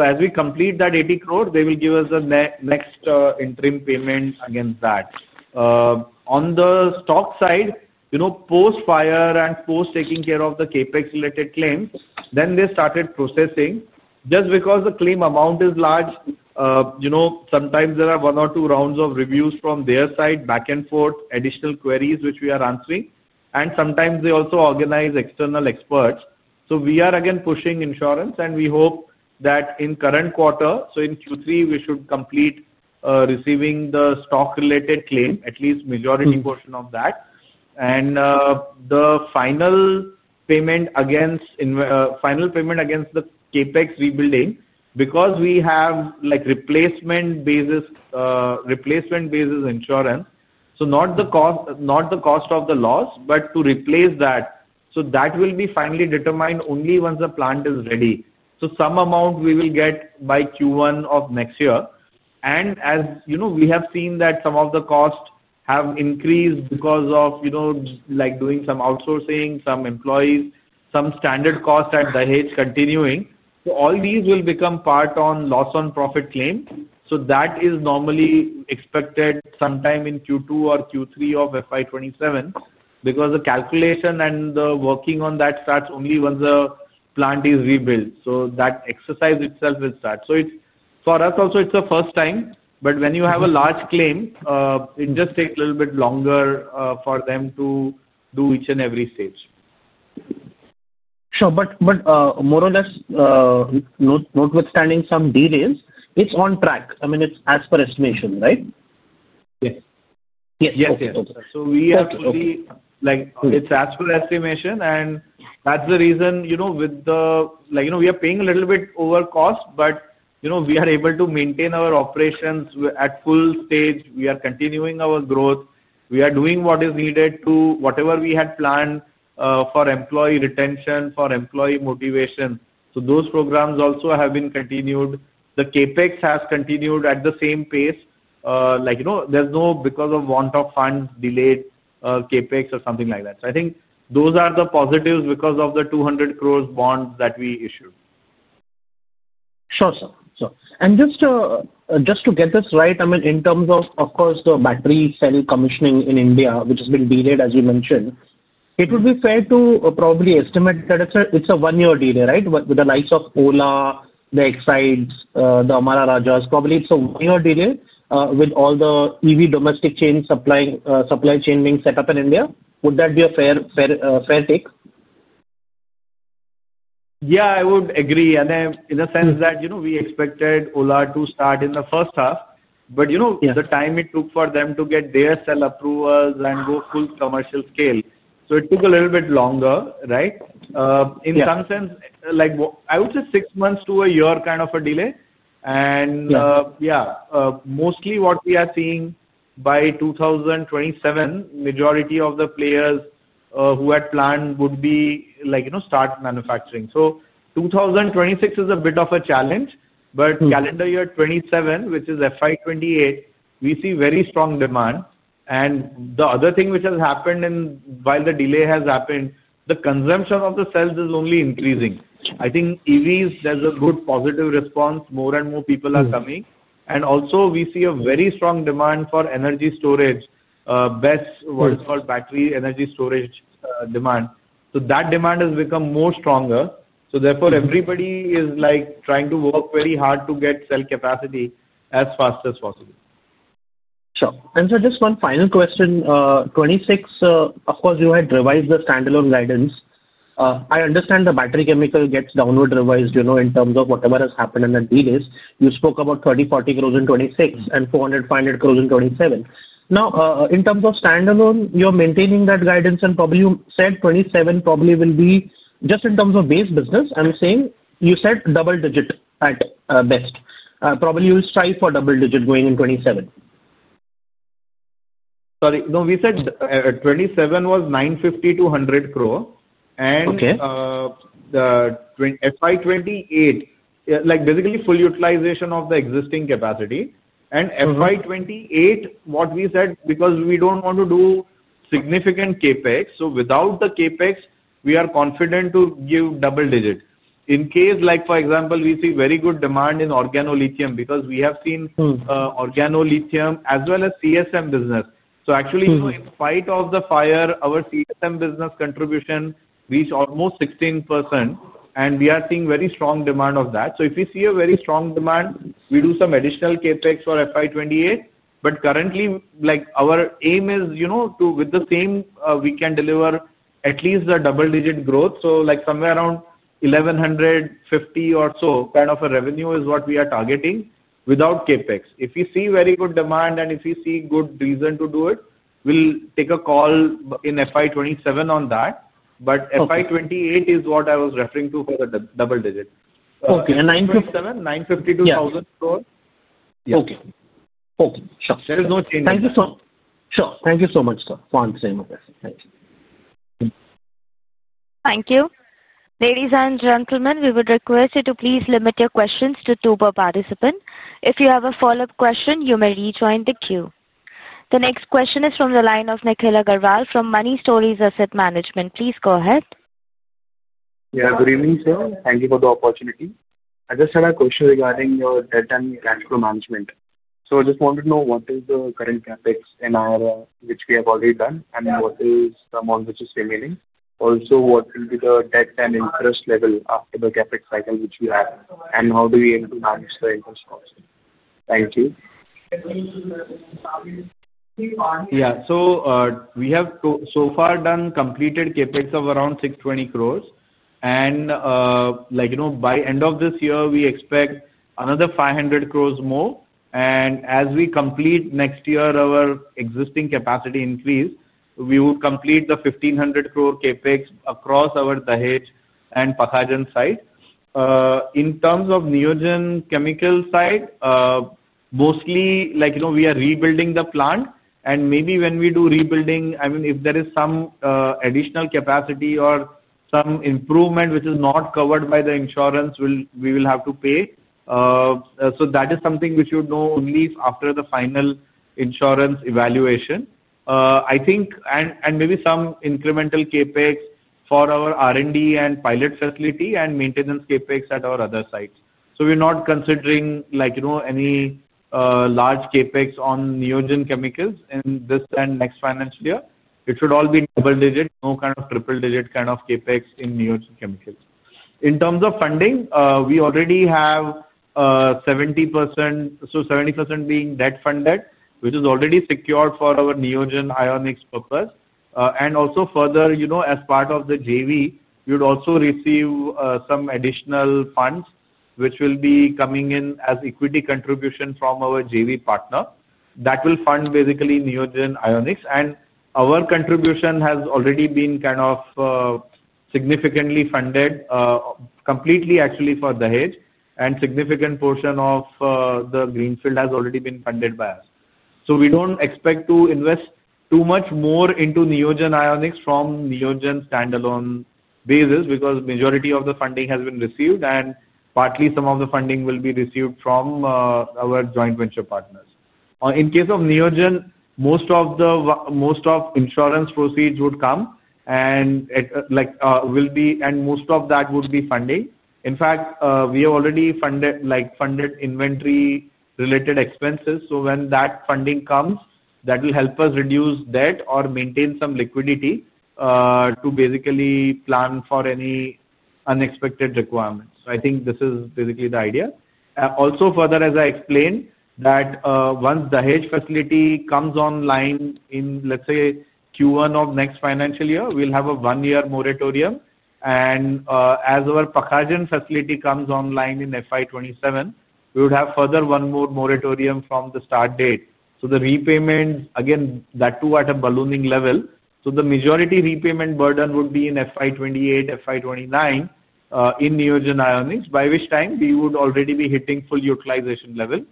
As we complete that 80 crore, they will give us the next interim payment against that. On the stock side, post-fire and post-taking care of the CapEx-related claim, they started processing. Just because the claim amount is large, sometimes there are one or two rounds of reviews from their side, back and forth, additional queries which we are answering. Sometimes they also organize external experts. We are again pushing insurance, and we hope that in the current quarter, so in Q3, we should complete receiving the stock-related claim, at least the majority portion of that. The final payment against the CapEx rebuilding, because we have replacement basis insurance, is not the cost of the loss, but to replace that. That will be finally determined only once the plant is ready. Some amount we will get by Q1 of next year. As we have seen that some of the costs have increased because of doing some outsourcing, some employees, some standard cost at Dahej continuing. All these will become part on loss on profit claim. That is normally expected sometime in Q2 or Q3 of FY 2027 because the calculation and the working on that starts only once the plant is rebuilt. That exercise itself will start. For us, also, it's the first time. When you have a large claim, it just takes a little bit longer for them to do each and every stage. Sure. More or less, notwithstanding some delays, it's on track. I mean, it's as per estimation, right? Yes. Yes. Yes. We have to be, it's as per estimation. That's the reason we are paying a little bit over cost, but we are able to maintain our operations at full stage. We are continuing our growth. We are doing what is needed to, whatever we had planned for employee retention, for employee motivation. Those programs also have been continued. The CapEx has continued at the same pace. There's no, because of want of funds, delayed CapEx or something like that. I think those are the positives because of the 200 crore bond that we issued. Sure, sir. Sure. Just to get this right, I mean, in terms of, of course, the battery cell commissioning in India, which has been delayed, as you mentioned, it would be fair to probably estimate that it's a one-year delay, right? With the likes of Ola, the Exide, the Amara Raja, probably it's a one-year delay with all the EV domestic supply chain being set up in India. Would that be a fair take? Yeah, I would agree. In a sense that we expected Ola to start in the first half. The time it took for them to get their cell approvals and go full commercial scale took a little bit longer, right? In some sense, I would say six months to a year kind of a delay. Mostly what we are seeing by 2027, majority of the players who had planned would start manufacturing. 2026 is a bit of a challenge. Calendar year 2027, which is FY 2028, we see very strong demand. The other thing which has happened while the delay has happened, the consumption of the cells is only increasing. I think EVs, there is a good positive response. More and more people are coming. We see a very strong demand for energy storage, best what is called battery energy storage demand. That demand has become more stronger. Therefore, everybody is trying to work very hard to get cell capacity as fast as possible. Sure. Just one final question. 2026, of course, you had revised the standalone guidance. I understand the Battery Chemical gets downward revised in terms of whatever has happened in the delays. You spoke about 30 crore-40 crore in 2026 and 400-500 crore in 2027. Now, in terms of standalone, you're maintaining that guidance. Probably you said 2027 probably will be just in terms of base business. I'm saying you said double digit at best. Probably you'll strive for double digit going in 2027. Sorry. No, we said 2027 was 950 crore-1,000 crore. In FY 2028, basically full utilization of the existing capacity. In FY 2028, what we said, because we do not want to do significant CapEx. Without the CapEx, we are confident to give double digit. In case, for example, we see very good demand in organolithium because we have seen Organolithium as well as CSM business. Actually, in spite of the fire, our CSM business contribution reached almost 16%. We are seeing very strong demand of that. If we see a very strong demand, we do some additional CapEx for FY 2028. Currently, our aim is with the same we can deliver at least a double-digit growth. Somewhere around 1,150 or so kind of a revenue is what we are targeting without CapEx. If we see very good demand and if we see good reason to do it, we'll take a call in FY 2027 on that. FY 2028 is what I was referring to for the double digit. Okay. 950 crore-1,000 crore. Okay. Sure. There is no change. Thank you so much. Sure. Thank you so much, sir, for answering my question. Thank you. Thank you. Ladies and gentlemen, we would request you to please limit your questions to two per participant. If you have a follow-up question, you may rejoin the queue. The next question is from the line of Nikhil Agarwal from Money Stories Asset Management. Please go ahead. Yeah. Good evening, sir. Thank you for the opportunity. I just had a question regarding your debt and cash flow management. I just wanted to know what is the current CapEx in INR, which we have already done, and what is the amount which is remaining. Also, what will be the debt and interest level after the CapEx cycle which we have, and how do we aim to manage the interest cost? Thank you. Yeah. We have so far done completed CapEx of around 620 crore. By end of this year, we expect another 500 crore more. As we complete next year our existing capacity increase, we will complete the 1,500 crore CapEx across our Dahej and Pakhajan site. In terms of Neogen Chemicals side, mostly we are rebuilding the plant. Maybe when we do rebuilding, I mean, if there is some additional capacity or some improvement which is not covered by the insurance, we will have to pay. That is something which you would know only after the final insurance evaluation. Maybe some incremental CapEx for our R&D and pilot facility and maintenance CapEx at our other sites. We're not considering any large CapEx on Neogen Chemicals in this and next financial year. It should all be double digit, no kind of triple digit kind of CapEx in Neogen Chemicals. In terms of funding, we already have 70%, so 70% being debt funded, which is already secured for our Neogen Ionics purpose. Also further, as part of the JV, we would also receive some additional funds which will be coming in as equity contribution from our JV partner. That will fund basically Neogen Ionics. Our contribution has already been kind of significantly funded completely, actually, for Dahej. A significant portion of the greenfield has already been funded by us. We do not expect to invest too much more into Neogen Ionics from Neogen standalone basis because majority of the funding has been received, and partly some of the funding will be received from our joint venture partners. In case of Neogen, most of the insurance proceeds would come and most of that would be funding. In fact, we have already funded inventory-related expenses. When that funding comes, that will help us reduce debt or maintain some liquidity to basically plan for any unexpected requirements. I think this is basically the idea. Also, further, as I explained, that once Dahej facility comes online in, let's say, Q1 of next financial year, we'll have a one-year moratorium. As our Pakhajan facility comes online in FY 2027, we would have further one more moratorium from the start date. The repayment, again, that too at a ballooning level. The majority repayment burden would be in FY 2028, FY 2029 in Neogen Ionics, by which time we would already be hitting full utilization level.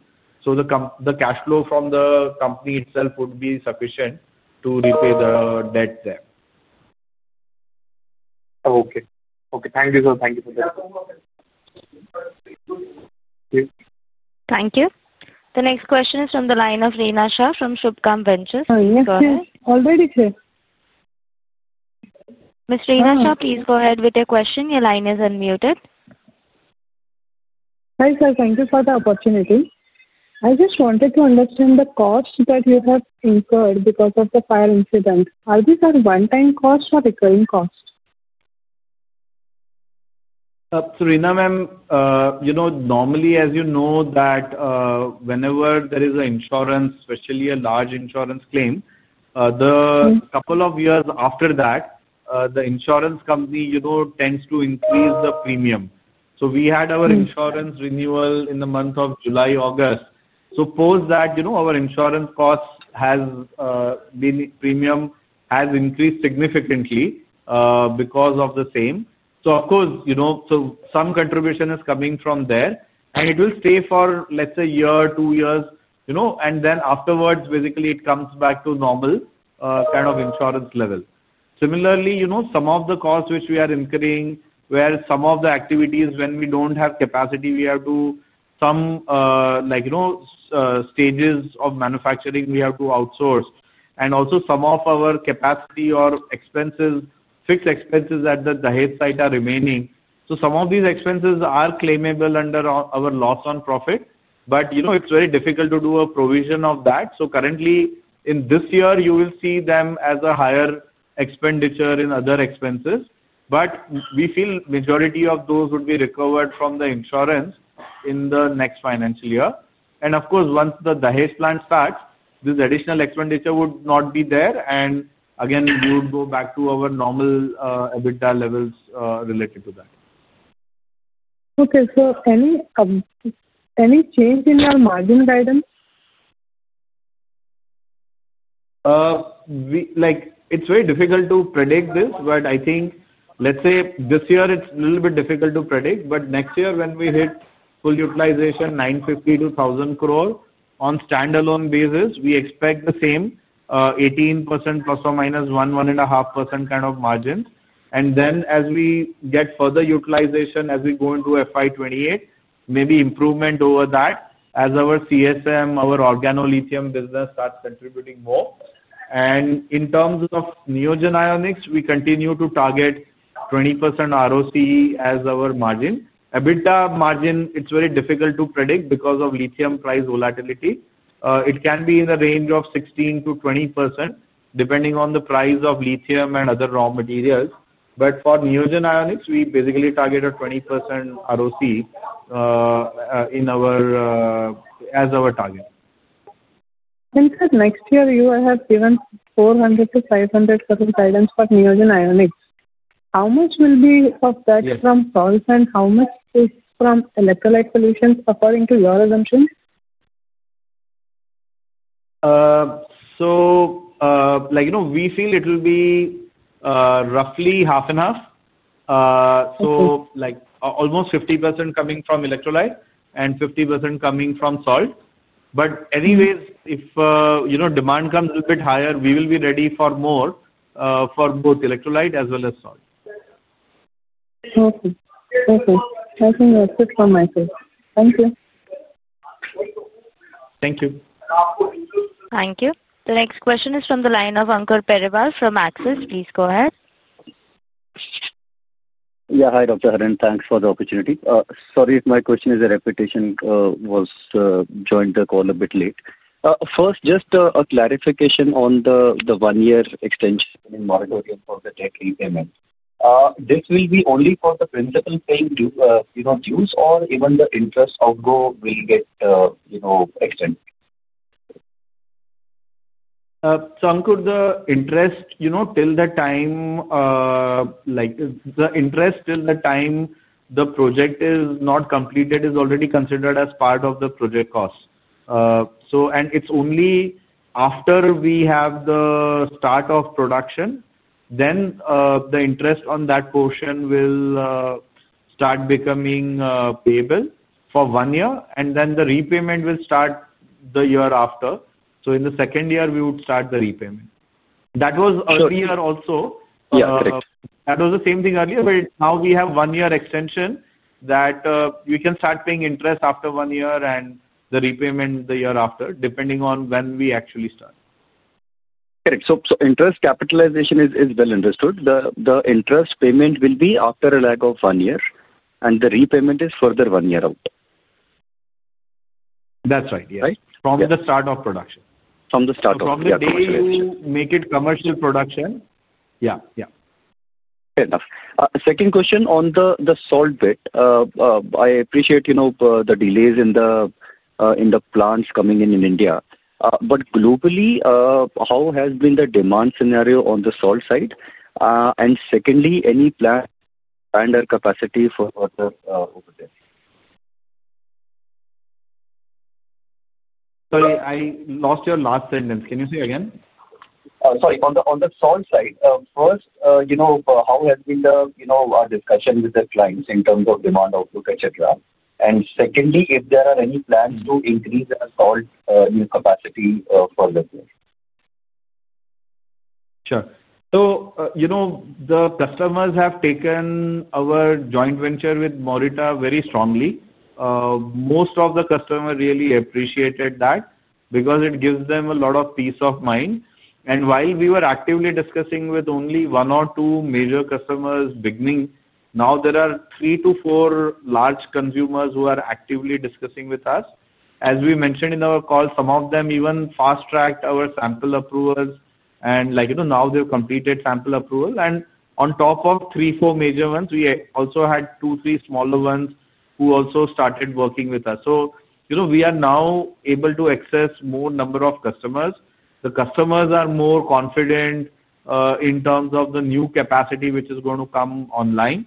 The cash flow from the company itself would be sufficient to repay the debt there. Okay. Okay. Thank you, sir. Thank you for the question. Thank you. The next question is from the line of Reena Shah from Shubkam Ventures. Yes, sir. Already here. Ms. Reena Shah, please go ahead with your question. Your line is unmuted. Hi, sir. Thank you for the opportunity. I just wanted to understand the cost that you have incurred because of the fire incident. Are these one-time costs or recurring costs? Reena ma'am, normally, as you know, that whenever there is an insurance, especially a large insurance claim, the couple of years after that, the insurance company tends to increase the premium. We had our insurance renewal in the month of July, August. After that, our insurance cost, the premium, has increased significantly because of the same. Of course, some contribution is coming from there. It will stay for, let's say, a year, two years. Afterwards, basically, it comes back to normal kind of insurance level. Similarly, some of the costs which we are incurring where some of the activities, when we don't have capacity, we have to, some stages of manufacturing, we have to outsource. Also, some of our capacity or expenses, fixed expenses at the Dahej site, are remaining. Some of these expenses are claimable under our loss on profit. It is very difficult to do a provision of that. Currently, in this year, you will see them as a higher expenditure in other expenses. We feel majority of those would be recovered from the insurance in the next financial year. Of course, once the Dahej plant starts, this additional expenditure would not be there. We would go back to our normal EBITDA levels related to that. Okay. So any change in your margin guidance? It's very difficult to predict this. I think, let's say, this year, it's a little bit difficult to predict. Next year, when we hit full utilization, 950 crore-1,000 crore on a standalone basis, we expect the same 18%, ± 1%-1.5% kind of margin. As we get further utilization, as we go into FY 2028, maybe improvement over that as our CSM, our Organolithium business, starts contributing more. In terms of Neogen Ionics, we continue to target 20% ROC as our margin. EBITDA margin, it's very difficult to predict because of lithium price volatility. It can be in the range of 16%-20% depending on the price of lithium and other raw materials. For Neogen Ionics, we basically target a 20% ROC as our target. Thank you. Next year, you have given 400 crore-500 crore guidance for Neogen Ionics. How much will be of that from source and how much is from electrolyte solutions according to your assumption? We feel it will be roughly half and half. Almost 50% coming from Electrolyte and 50% coming from salt. Anyways, if demand comes a little bit higher, we will be ready for more for both Electrolyte as well as Salt. Okay. Okay. I think that's it from my side. Thank you. Thank you. Thank you. The next question is from the line of Ankur Periwal from Axis. Please go ahead. Yeah. Hi, Dr. Harin. Thanks for the opportunity. Sorry if my question is a repetition. I joined the call a bit late. First, just a clarification on the one-year extension in moratorium for the debt repayment. This will be only for the principal paying dues or even the interest outgo will get extended? Ankur, the interest till the time the project is not completed is already considered as part of the project cost. It's only after we have the start of production, then the interest on that portion will start becoming payable for one year. Then the repayment will start the year after. In the second year, we would start the repayment. That was earlier also. Yeah. Correct. That was the same thing earlier. Now we have one-year extension that we can start paying interest after one year and the repayment the year after depending on when we actually start. Correct. Interest capitalization is well understood. The interest payment will be after a lag of one year. The repayment is further one year out. That's right. Yes. Right? From the start of production. From the start of production. Probably they will make it commercial production. Yeah. Yeah. Fair enough. Second question on the salt bit. I appreciate the delays in the plants coming in India. Globally, how has been the demand scenario on the salt side? Secondly, any planned capacity for further overhead? Sorry, I lost your last sentence. Can you say again? Sorry. On the salt side, first, how has been the discussion with the clients in terms of demand outlook, etc.? Secondly, if there are any plans to increase the salt capacity further? Sure. The customers have taken our joint venture with Morita very strongly. Most of the customers really appreciated that because it gives them a lot of peace of mind. While we were actively discussing with only one or two major customers in the beginning, now there are three to four large consumers who are actively discussing with us. As we mentioned in our call, some of them even fast-tracked our sample approvals. Now they have completed sample approval. On top of three or four major ones, we also had two or three smaller ones who also started working with us. We are now able to access more customers. The customers are more confident in terms of the new capacity which is going to come online.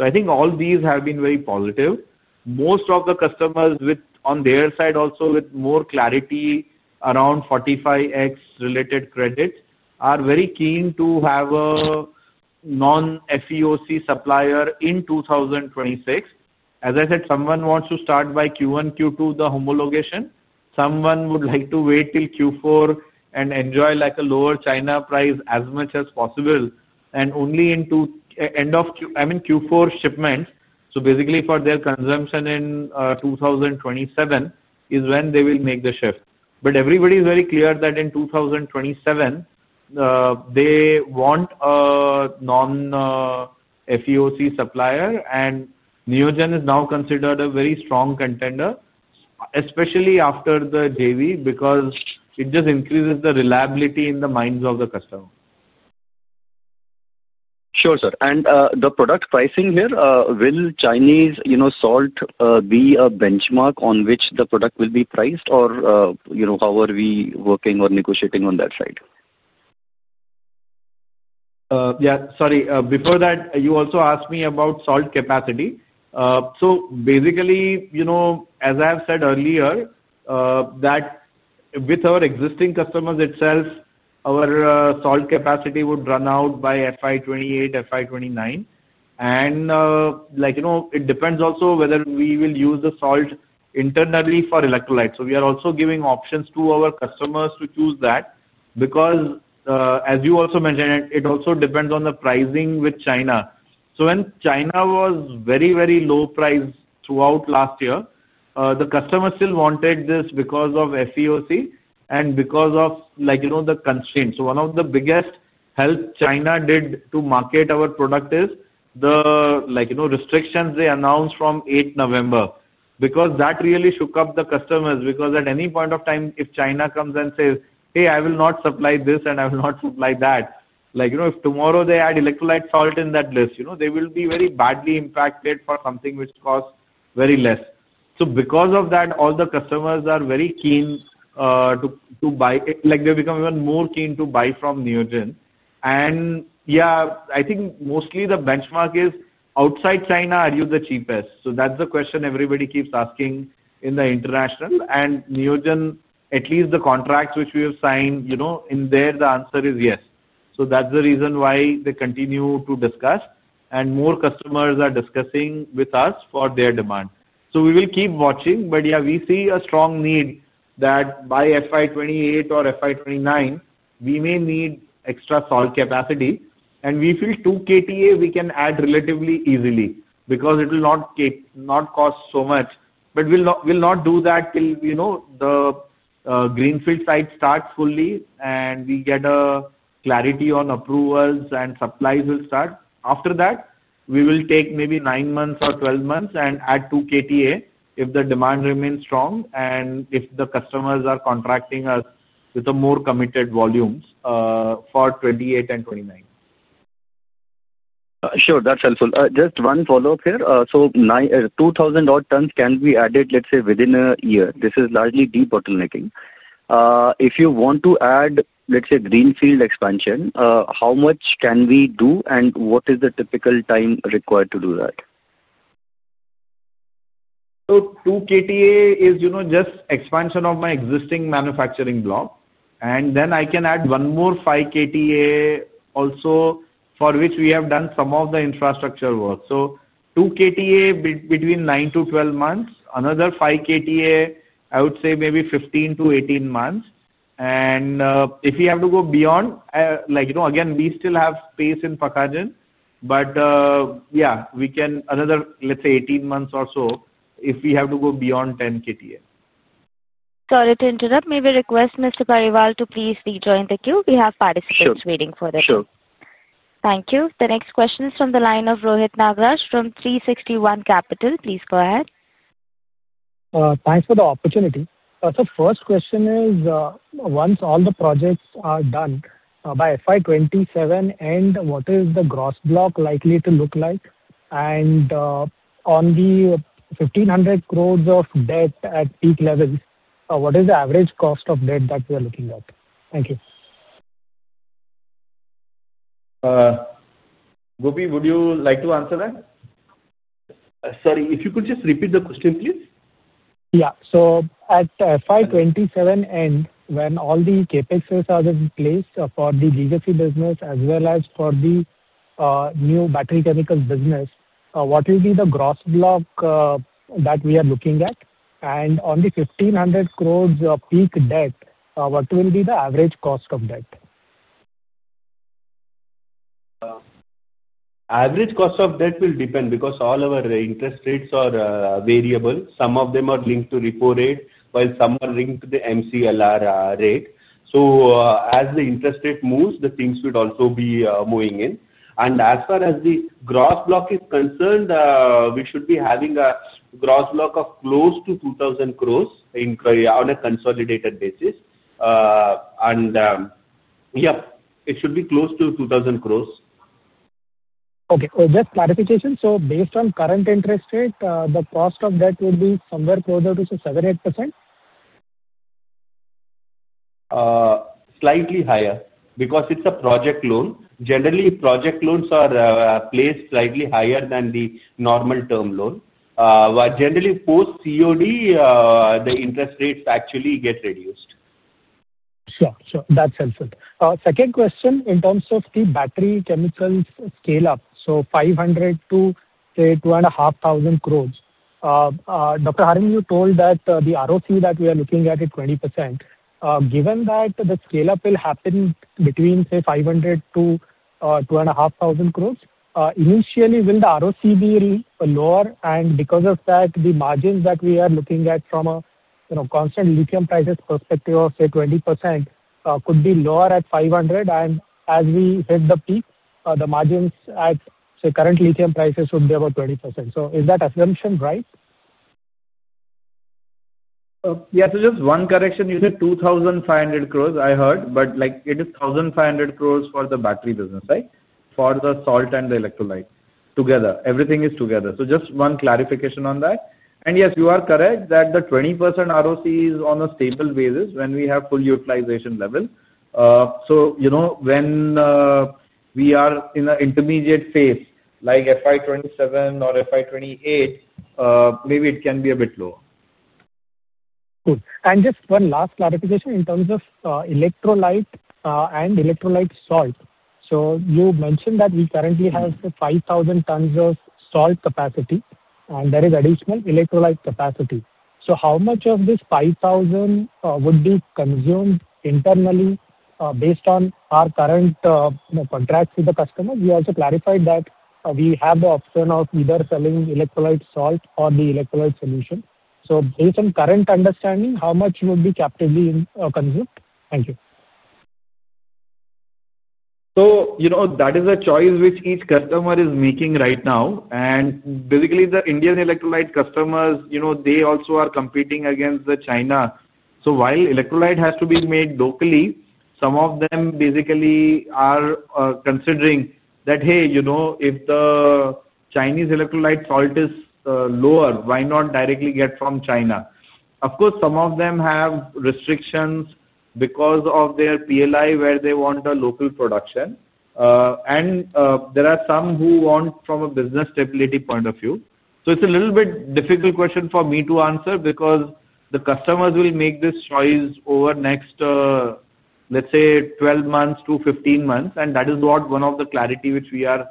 I think all these have been very positive. Most of the customers on their side also with more clarity around 45x related credits are very keen to have a non-FEOC supplier in 2026. As I said, someone wants to start by Q1, Q2, the homologation. Someone would like to wait till Q4 and enjoy a lower China price as much as possible. Only in end of Q, I mean, Q4 shipment. Basically, for their consumption in 2027 is when they will make the shift. Everybody is very clear that in 2027, they want a non-FEOC supplier. Neogen is now considered a very strong contender, especially after the JV because it just increases the reliability in the minds of the customer. Sure, sir. The product pricing here, will Chinese salt be a benchmark on which the product will be priced or how are we working or negotiating on that side? Yeah. Sorry. Before that, you also asked me about salt capacity. Basically, as I have said earlier, with our existing customers itself, our salt capacity would run out by FY 2028, FY 2029. It depends also whether we will use the salt internally for electrolytes. We are also giving options to our customers to choose that because, as you also mentioned, it also depends on the pricing with China. When China was very, very low price throughout last year, the customers still wanted this because of FEOC and because of the constraints. One of the biggest help China did to market our product is the restrictions they announced from 8 November because that really shook up the customers. Because at any point of time, if China comes and says, "Hey, I will not supply this and I will not supply that," if tomorrow they add Electrolyte Salt in that list, they will be very badly impacted for something which costs very little. Because of that, all the customers are very keen to buy. They become even more keen to buy from Neogen. Yeah, I think mostly the benchmark is outside China, are you the cheapest? That is the question everybody keeps asking in the international. Neogen, at least the contracts which we have signed, in there, the answer is yes. That is the reason why they continue to discuss. More customers are discussing with us for their demand. We will keep watching. Yeah, we see a strong need that by FY 2028 or FY 2029, we may need extra salt capacity. We feel 2 KTA, we can add relatively easily because it will not cost so much. We will not do that till the greenfield site starts fully and we get clarity on approvals and supplies will start. After that, we will take maybe nine months or 12 months and add 2 KTA if the demand remains strong and if the customers are contracting us with more committed volumes for 2028 and 2029. Sure. That is helpful. Just one follow-up here. Two thousand-odd tons can be added, let's say, within a year. This is largely debottlenecking. If you want to add, let's say, greenfield expansion, how much can we do and what is the typical time required to do that? 2 KTA is just expansion of my existing manufacturing block. I can add one more 5 KTA also for which we have done some of the infrastructure work. 2 KTA between 9-12 months. Another 5 KTA, I would say maybe 15-18 months. If we have to go beyond, again, we still have space in Pakhajan. We can, another, let's say, 18 months or so if we have to g o beyond 10KTA. Sorry to interrupt. May we request Mr. Periwal to please rejoin the queue? We have participants waiting for it. Sure. Sure. Thank you. The next question is from the line of Rohit Nagraj from 361 Capital. Please go ahead. Thanks for the opportunity. First question is, once all the projects are done by FY 2027, what is the gross block likely to look like? On the 1,500 crore of debt at peak levels, what is the average cost of debt that we are looking at? Thank you. Gopi, would you like to answer that? Sorry. If you could just repeat the question, please. Yeah. At FY 2027, when all the CapEx are in place for the legacy business as well as for the new Battery Chemicals business, what will be the gross block that we are looking at? On the 1,500 crore of peak debt, what will be the average cost of debt? Average cost of debt will depend because all our interest rates are variable. Some of them are linked to repo rate while some are linked to the [MCLR] rate. As the interest rate moves, the things would also be moving in. As far as the gross block is concerned, we should be having a gross block of close to 2,000 crore on a consolidated basis. Yeah, it should be close to 2,000 crore. Okay. Just clarification. So based on current interest rate, the cost of debt would be somewhere closer to 7%-8%? Slightly higher because it's a project loan. Generally, project loans are placed slightly higher than the normal term loan. Generally, post-COD, the interest rates actually get reduced. Sure. Sure. That's helpful. Second question, in terms of the Battery Chemicals scale-up, so 500 crore to, say, 2,500 crore, Dr. Harin, you told that the ROC that we are looking at is 20%. Given that the scale-up will happen between, say, 500 crore-2,500 crore, initially, will the ROC be lower? Because of that, the margins that we are looking at from a constant lithium prices perspective of, say, 20% could be lower at 500 crore. As we hit the peak, the margins at, say, current lithium prices would be about 20%. Is that assumption right? Yeah. Just one correction. You said 2,500 crore, I heard. It is 1,500 crore for the battery business, for the Salt and the Electrolyte together. Everything is together. Just one clarification on that. Yes, you are correct that the 20% ROC is on a stable basis when we have full utilization level. When we are in an intermediate phase like FY 2027 or FY 2028, maybe it can be a bit lower. Cool. And just one last clarification in terms of Electrolyte and Electrolyte Salt. You mentioned that we currently have 5,000 tons of salt capacity, and there is additional electrolyte capacity. How much of this 5,000 would be consumed internally based on our current contracts with the customers? You also clarified that we have the option of either selling Electrolyte Salt or the electrolyte solution. Based on current understanding, how much would be captively consumed? Thank you. That is a choice which each customer is making right now. Basically, the Indian electrolyte customers, they also are competing against China. While electrolyte has to be made locally, some of them basically are considering that, "Hey, if the Chinese electrolyte salt is lower, why not directly get from China?" Of course, some of them have restrictions because of their PLI where they want a local production. There are some who want from a business stability point of view. It is a little bit difficult question for me to answer because the customers will make this choice over the next 12-15 months. That is one of the clarity which we are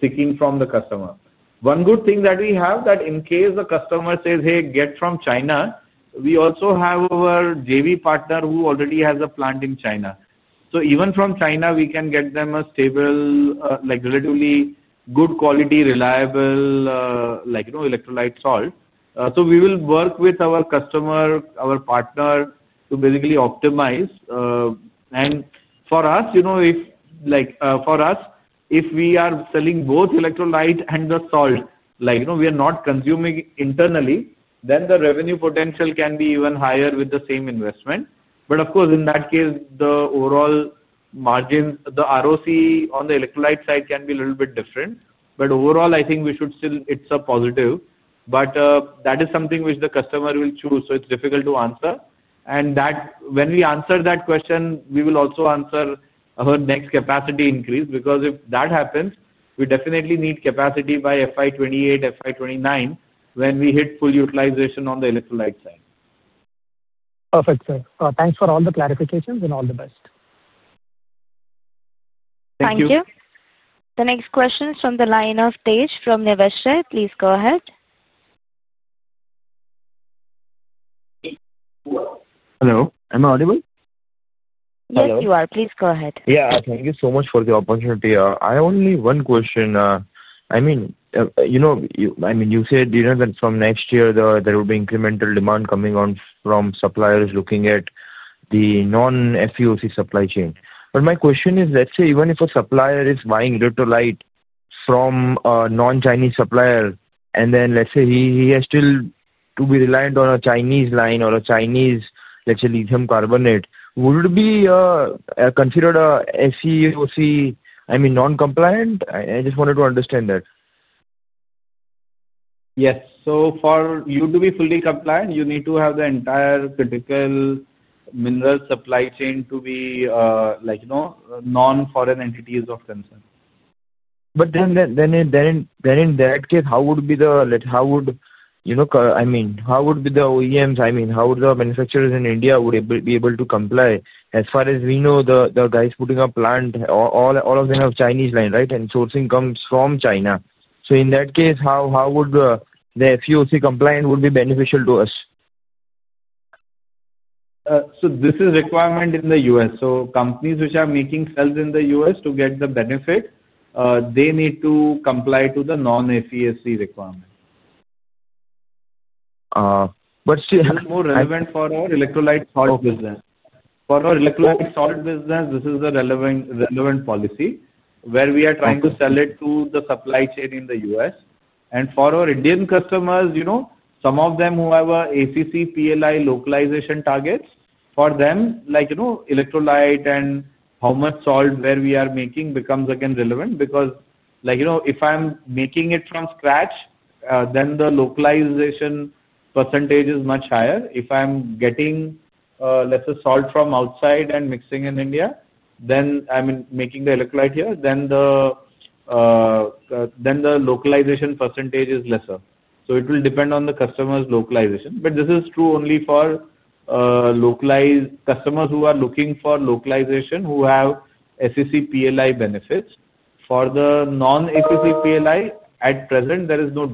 seeking from the customer. One good thing that we have is that in case the customer says, "Hey, get from China," we also have our JV partner who already has a plant in China. Even from China, we can get them a stable, relatively good quality, reliable electrolyte salt. We will work with our customer, our partner to basically optimize. For us, if we are selling both electrolyte and the salt, we are not consuming internally, then the revenue potential can be even higher with the same investment. Of course, in that case, the overall margin, the ROC on the electrolyte side can be a little bit different. Overall, I think we should still, it's a positive. That is something which the customer will choose. It is difficult to answer. When we answer that question, we will also answer her next capacity increase because if that happens, we definitely need capacity by FY 2028, FY 2029 when we hit full utilization on the electrolyte side. Perfect, sir. Thanks for all the clarifications and all the best. Thank you. The next question is from the line of Tej from Nevesher. Please go ahead. Hello. Am I audible? Yes, you are. Please go ahead. Yeah. Thank you so much for the opportunity. I have only one question. I mean, you said that from next year, there will be incremental demand coming on from suppliers looking at the non-FEOC supply chain. My question is, let's say even if a supplier is buying electrolyte from a non-Chinese supplier and then, let's say, he has still to be reliant on a Chinese line or a Chinese, let's say, lithium carbonate, would it be considered a FEOC, I mean, non-compliant? I just wanted to understand that. Yes. For you to be fully compliant, you need to have the entire critical mineral supply chain to be non-foreign entities of concern. In that case, how would the—I mean, how would the OEMs? I mean, how would the manufacturers in India be able to comply? As far as we know, the guys putting up plant, all of them have Chinese line, right? And sourcing comes from China. In that case, how would the FEOC compliance be beneficial to us? This is a requirement in the U.S. Companies which are making sales in the U.S. to get the benefit, they need to comply with the non-FEOC requirement. Still. it's more relevant for our Electrolyte Salt business. For our Electrolyte Salt business, this is a relevant policy where we are trying to sell it to the supply chain in the U.S. For our Indian customers, some of them who have ACC PLI localization targets, for them, electrolyte and how much salt we are making becomes again relevant because if I'm making it from scratch, then the localization percentage is much higher. If I'm getting, let's say, salt from outside and mixing in India, then I'm making the electrolyte here, then the localization percentage is lesser. It will depend on the customer's localization. This is true only for localized customers who are looking for localization, who have ACC PLI benefits. For the non-ACC PLI, at present, there is no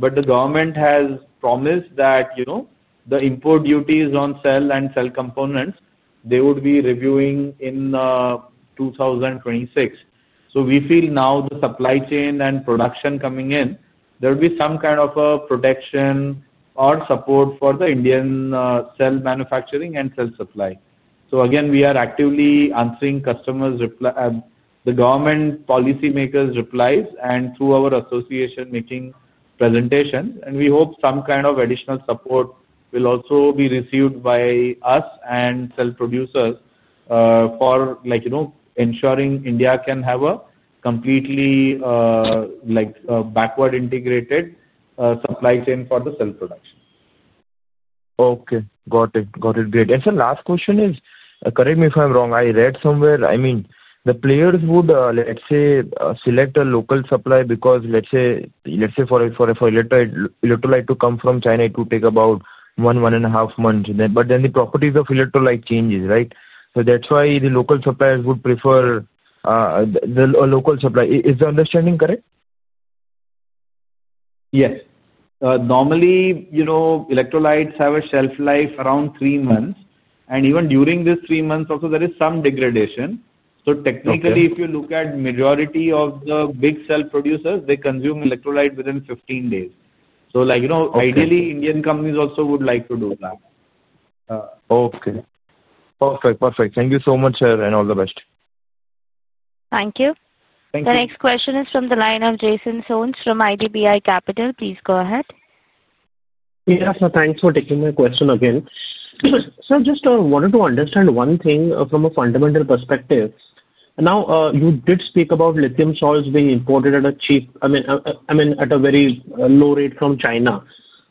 difference. The government has promised that the import duties on cell and cell components, they would be reviewing in 2026. We feel now the supply chain and production coming in, there will be some kind of a protection or support for the Indian cell manufacturing and cell supply. We are actively answering customers, the government policymakers' replies, and through our association, making presentations. We hope some kind of additional support will also be received by us and cell producers for ensuring India can have a completely backward integrated supply chain for the cell production. Okay. Got it. Got it. Great. The last question is, correct me if I'm wrong. I read somewhere, I mean, the players would, let's say, select a local supplier because, let's say, for electrolyte to come from China, it would take about one, one and a half months. But then the properties of electrolyte change, right? So that's why the local suppliers would prefer a local supplier. Is the understanding correct? Yes. Normally, electrolytes have a shelf life around three months. Even during these three months, also, there is some degradation. Technically, if you look at the majority of the big cell producers, they consume electrolyte within 15 days. Ideally, Indian companies also would like to do that. Okay. Perfect. Perfect. Thank you so much, sir, and all the best. Thank you. The next question is from the line of Jason Soans from IDBI Capital. Please go ahead. Thanks for taking my question again. Just wanted to understand one thing from a fundamental perspective. Now, you did speak about lithium salts being imported at a cheap, I mean, at a very low rate from China.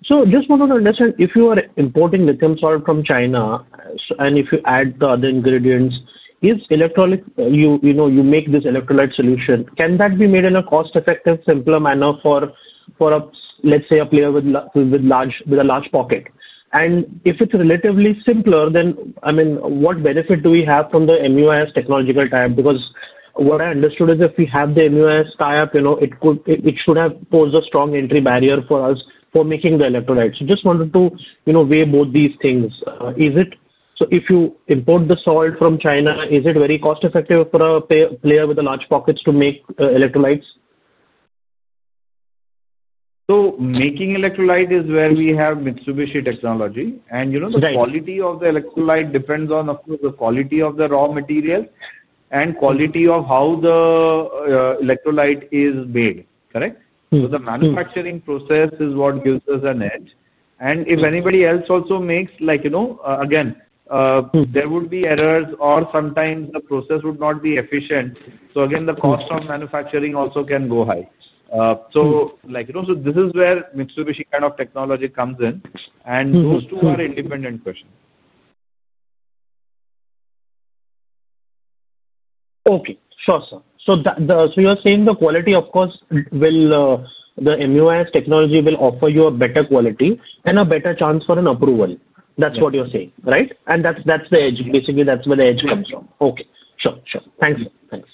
Just wanted to understand if you are importing lithium salt from China, and if you add the other ingredients, if you make this electrolyte solution, can that be made in a cost-effective, simpler manner for, let's say, a player with a large pocket? If it's relatively simpler, then I mean, what benefit do we have from the MUIS technological type? Because what I understood is if we have the MUIS type up, it should have posed a strong entry barrier for us for making the electrolytes. Just wanted to weigh both these things. If you import the salt from China, is it very cost-effective for a player with large pockets to make electrolytes? Making electrolyte is where we have Mitsubishi technology. The quality of the electrolyte depends on, of course, the quality of the raw material and quality of how the electrolyte is made, correct? The manufacturing process is what gives us an edge. If anybody else also makes, again, there would be errors or sometimes the process would not be efficient. The cost of manufacturing also can go high. This is where Mitsubishi kind of technology comes in. Those two are independent questions. Okay. Sure, sir. So you're saying the quality, of course, the MUIS technology will offer you a better quality and a better chance for an approval. That's what you're saying, right? That's the edge. Basically, that's where the edge comes from. Okay. Sure. Sure. Thanks. Thanks.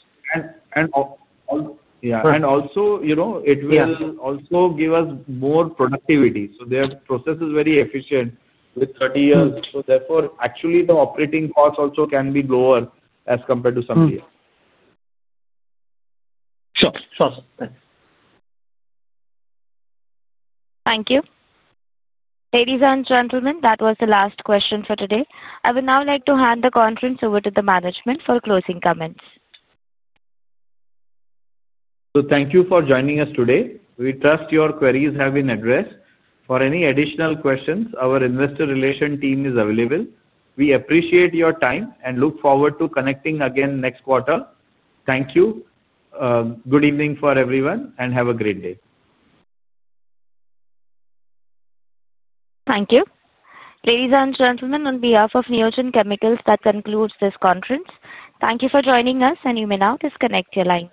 It will also give us more productivity. Their process is very efficient with 30 years. Therefore, actually, the operating cost also can be lower as compared to some years. Sure. Sure. Thanks. Thank you. Ladies and gentlemen, that was the last question for today. I would now like to hand the conference over to the management for closing comments. Thank you for joining us today. We trust your queries have been addressed. For any additional questions, our investor relation team is available. We appreciate your time and look forward to connecting again next quarter. Thank you. Good evening for everyone, and have a great day. Thank you. Ladies and gentlemen, on behalf of Neogen Chemicals, that concludes this conference. Thank you for joining us, and you may now disconnect your line.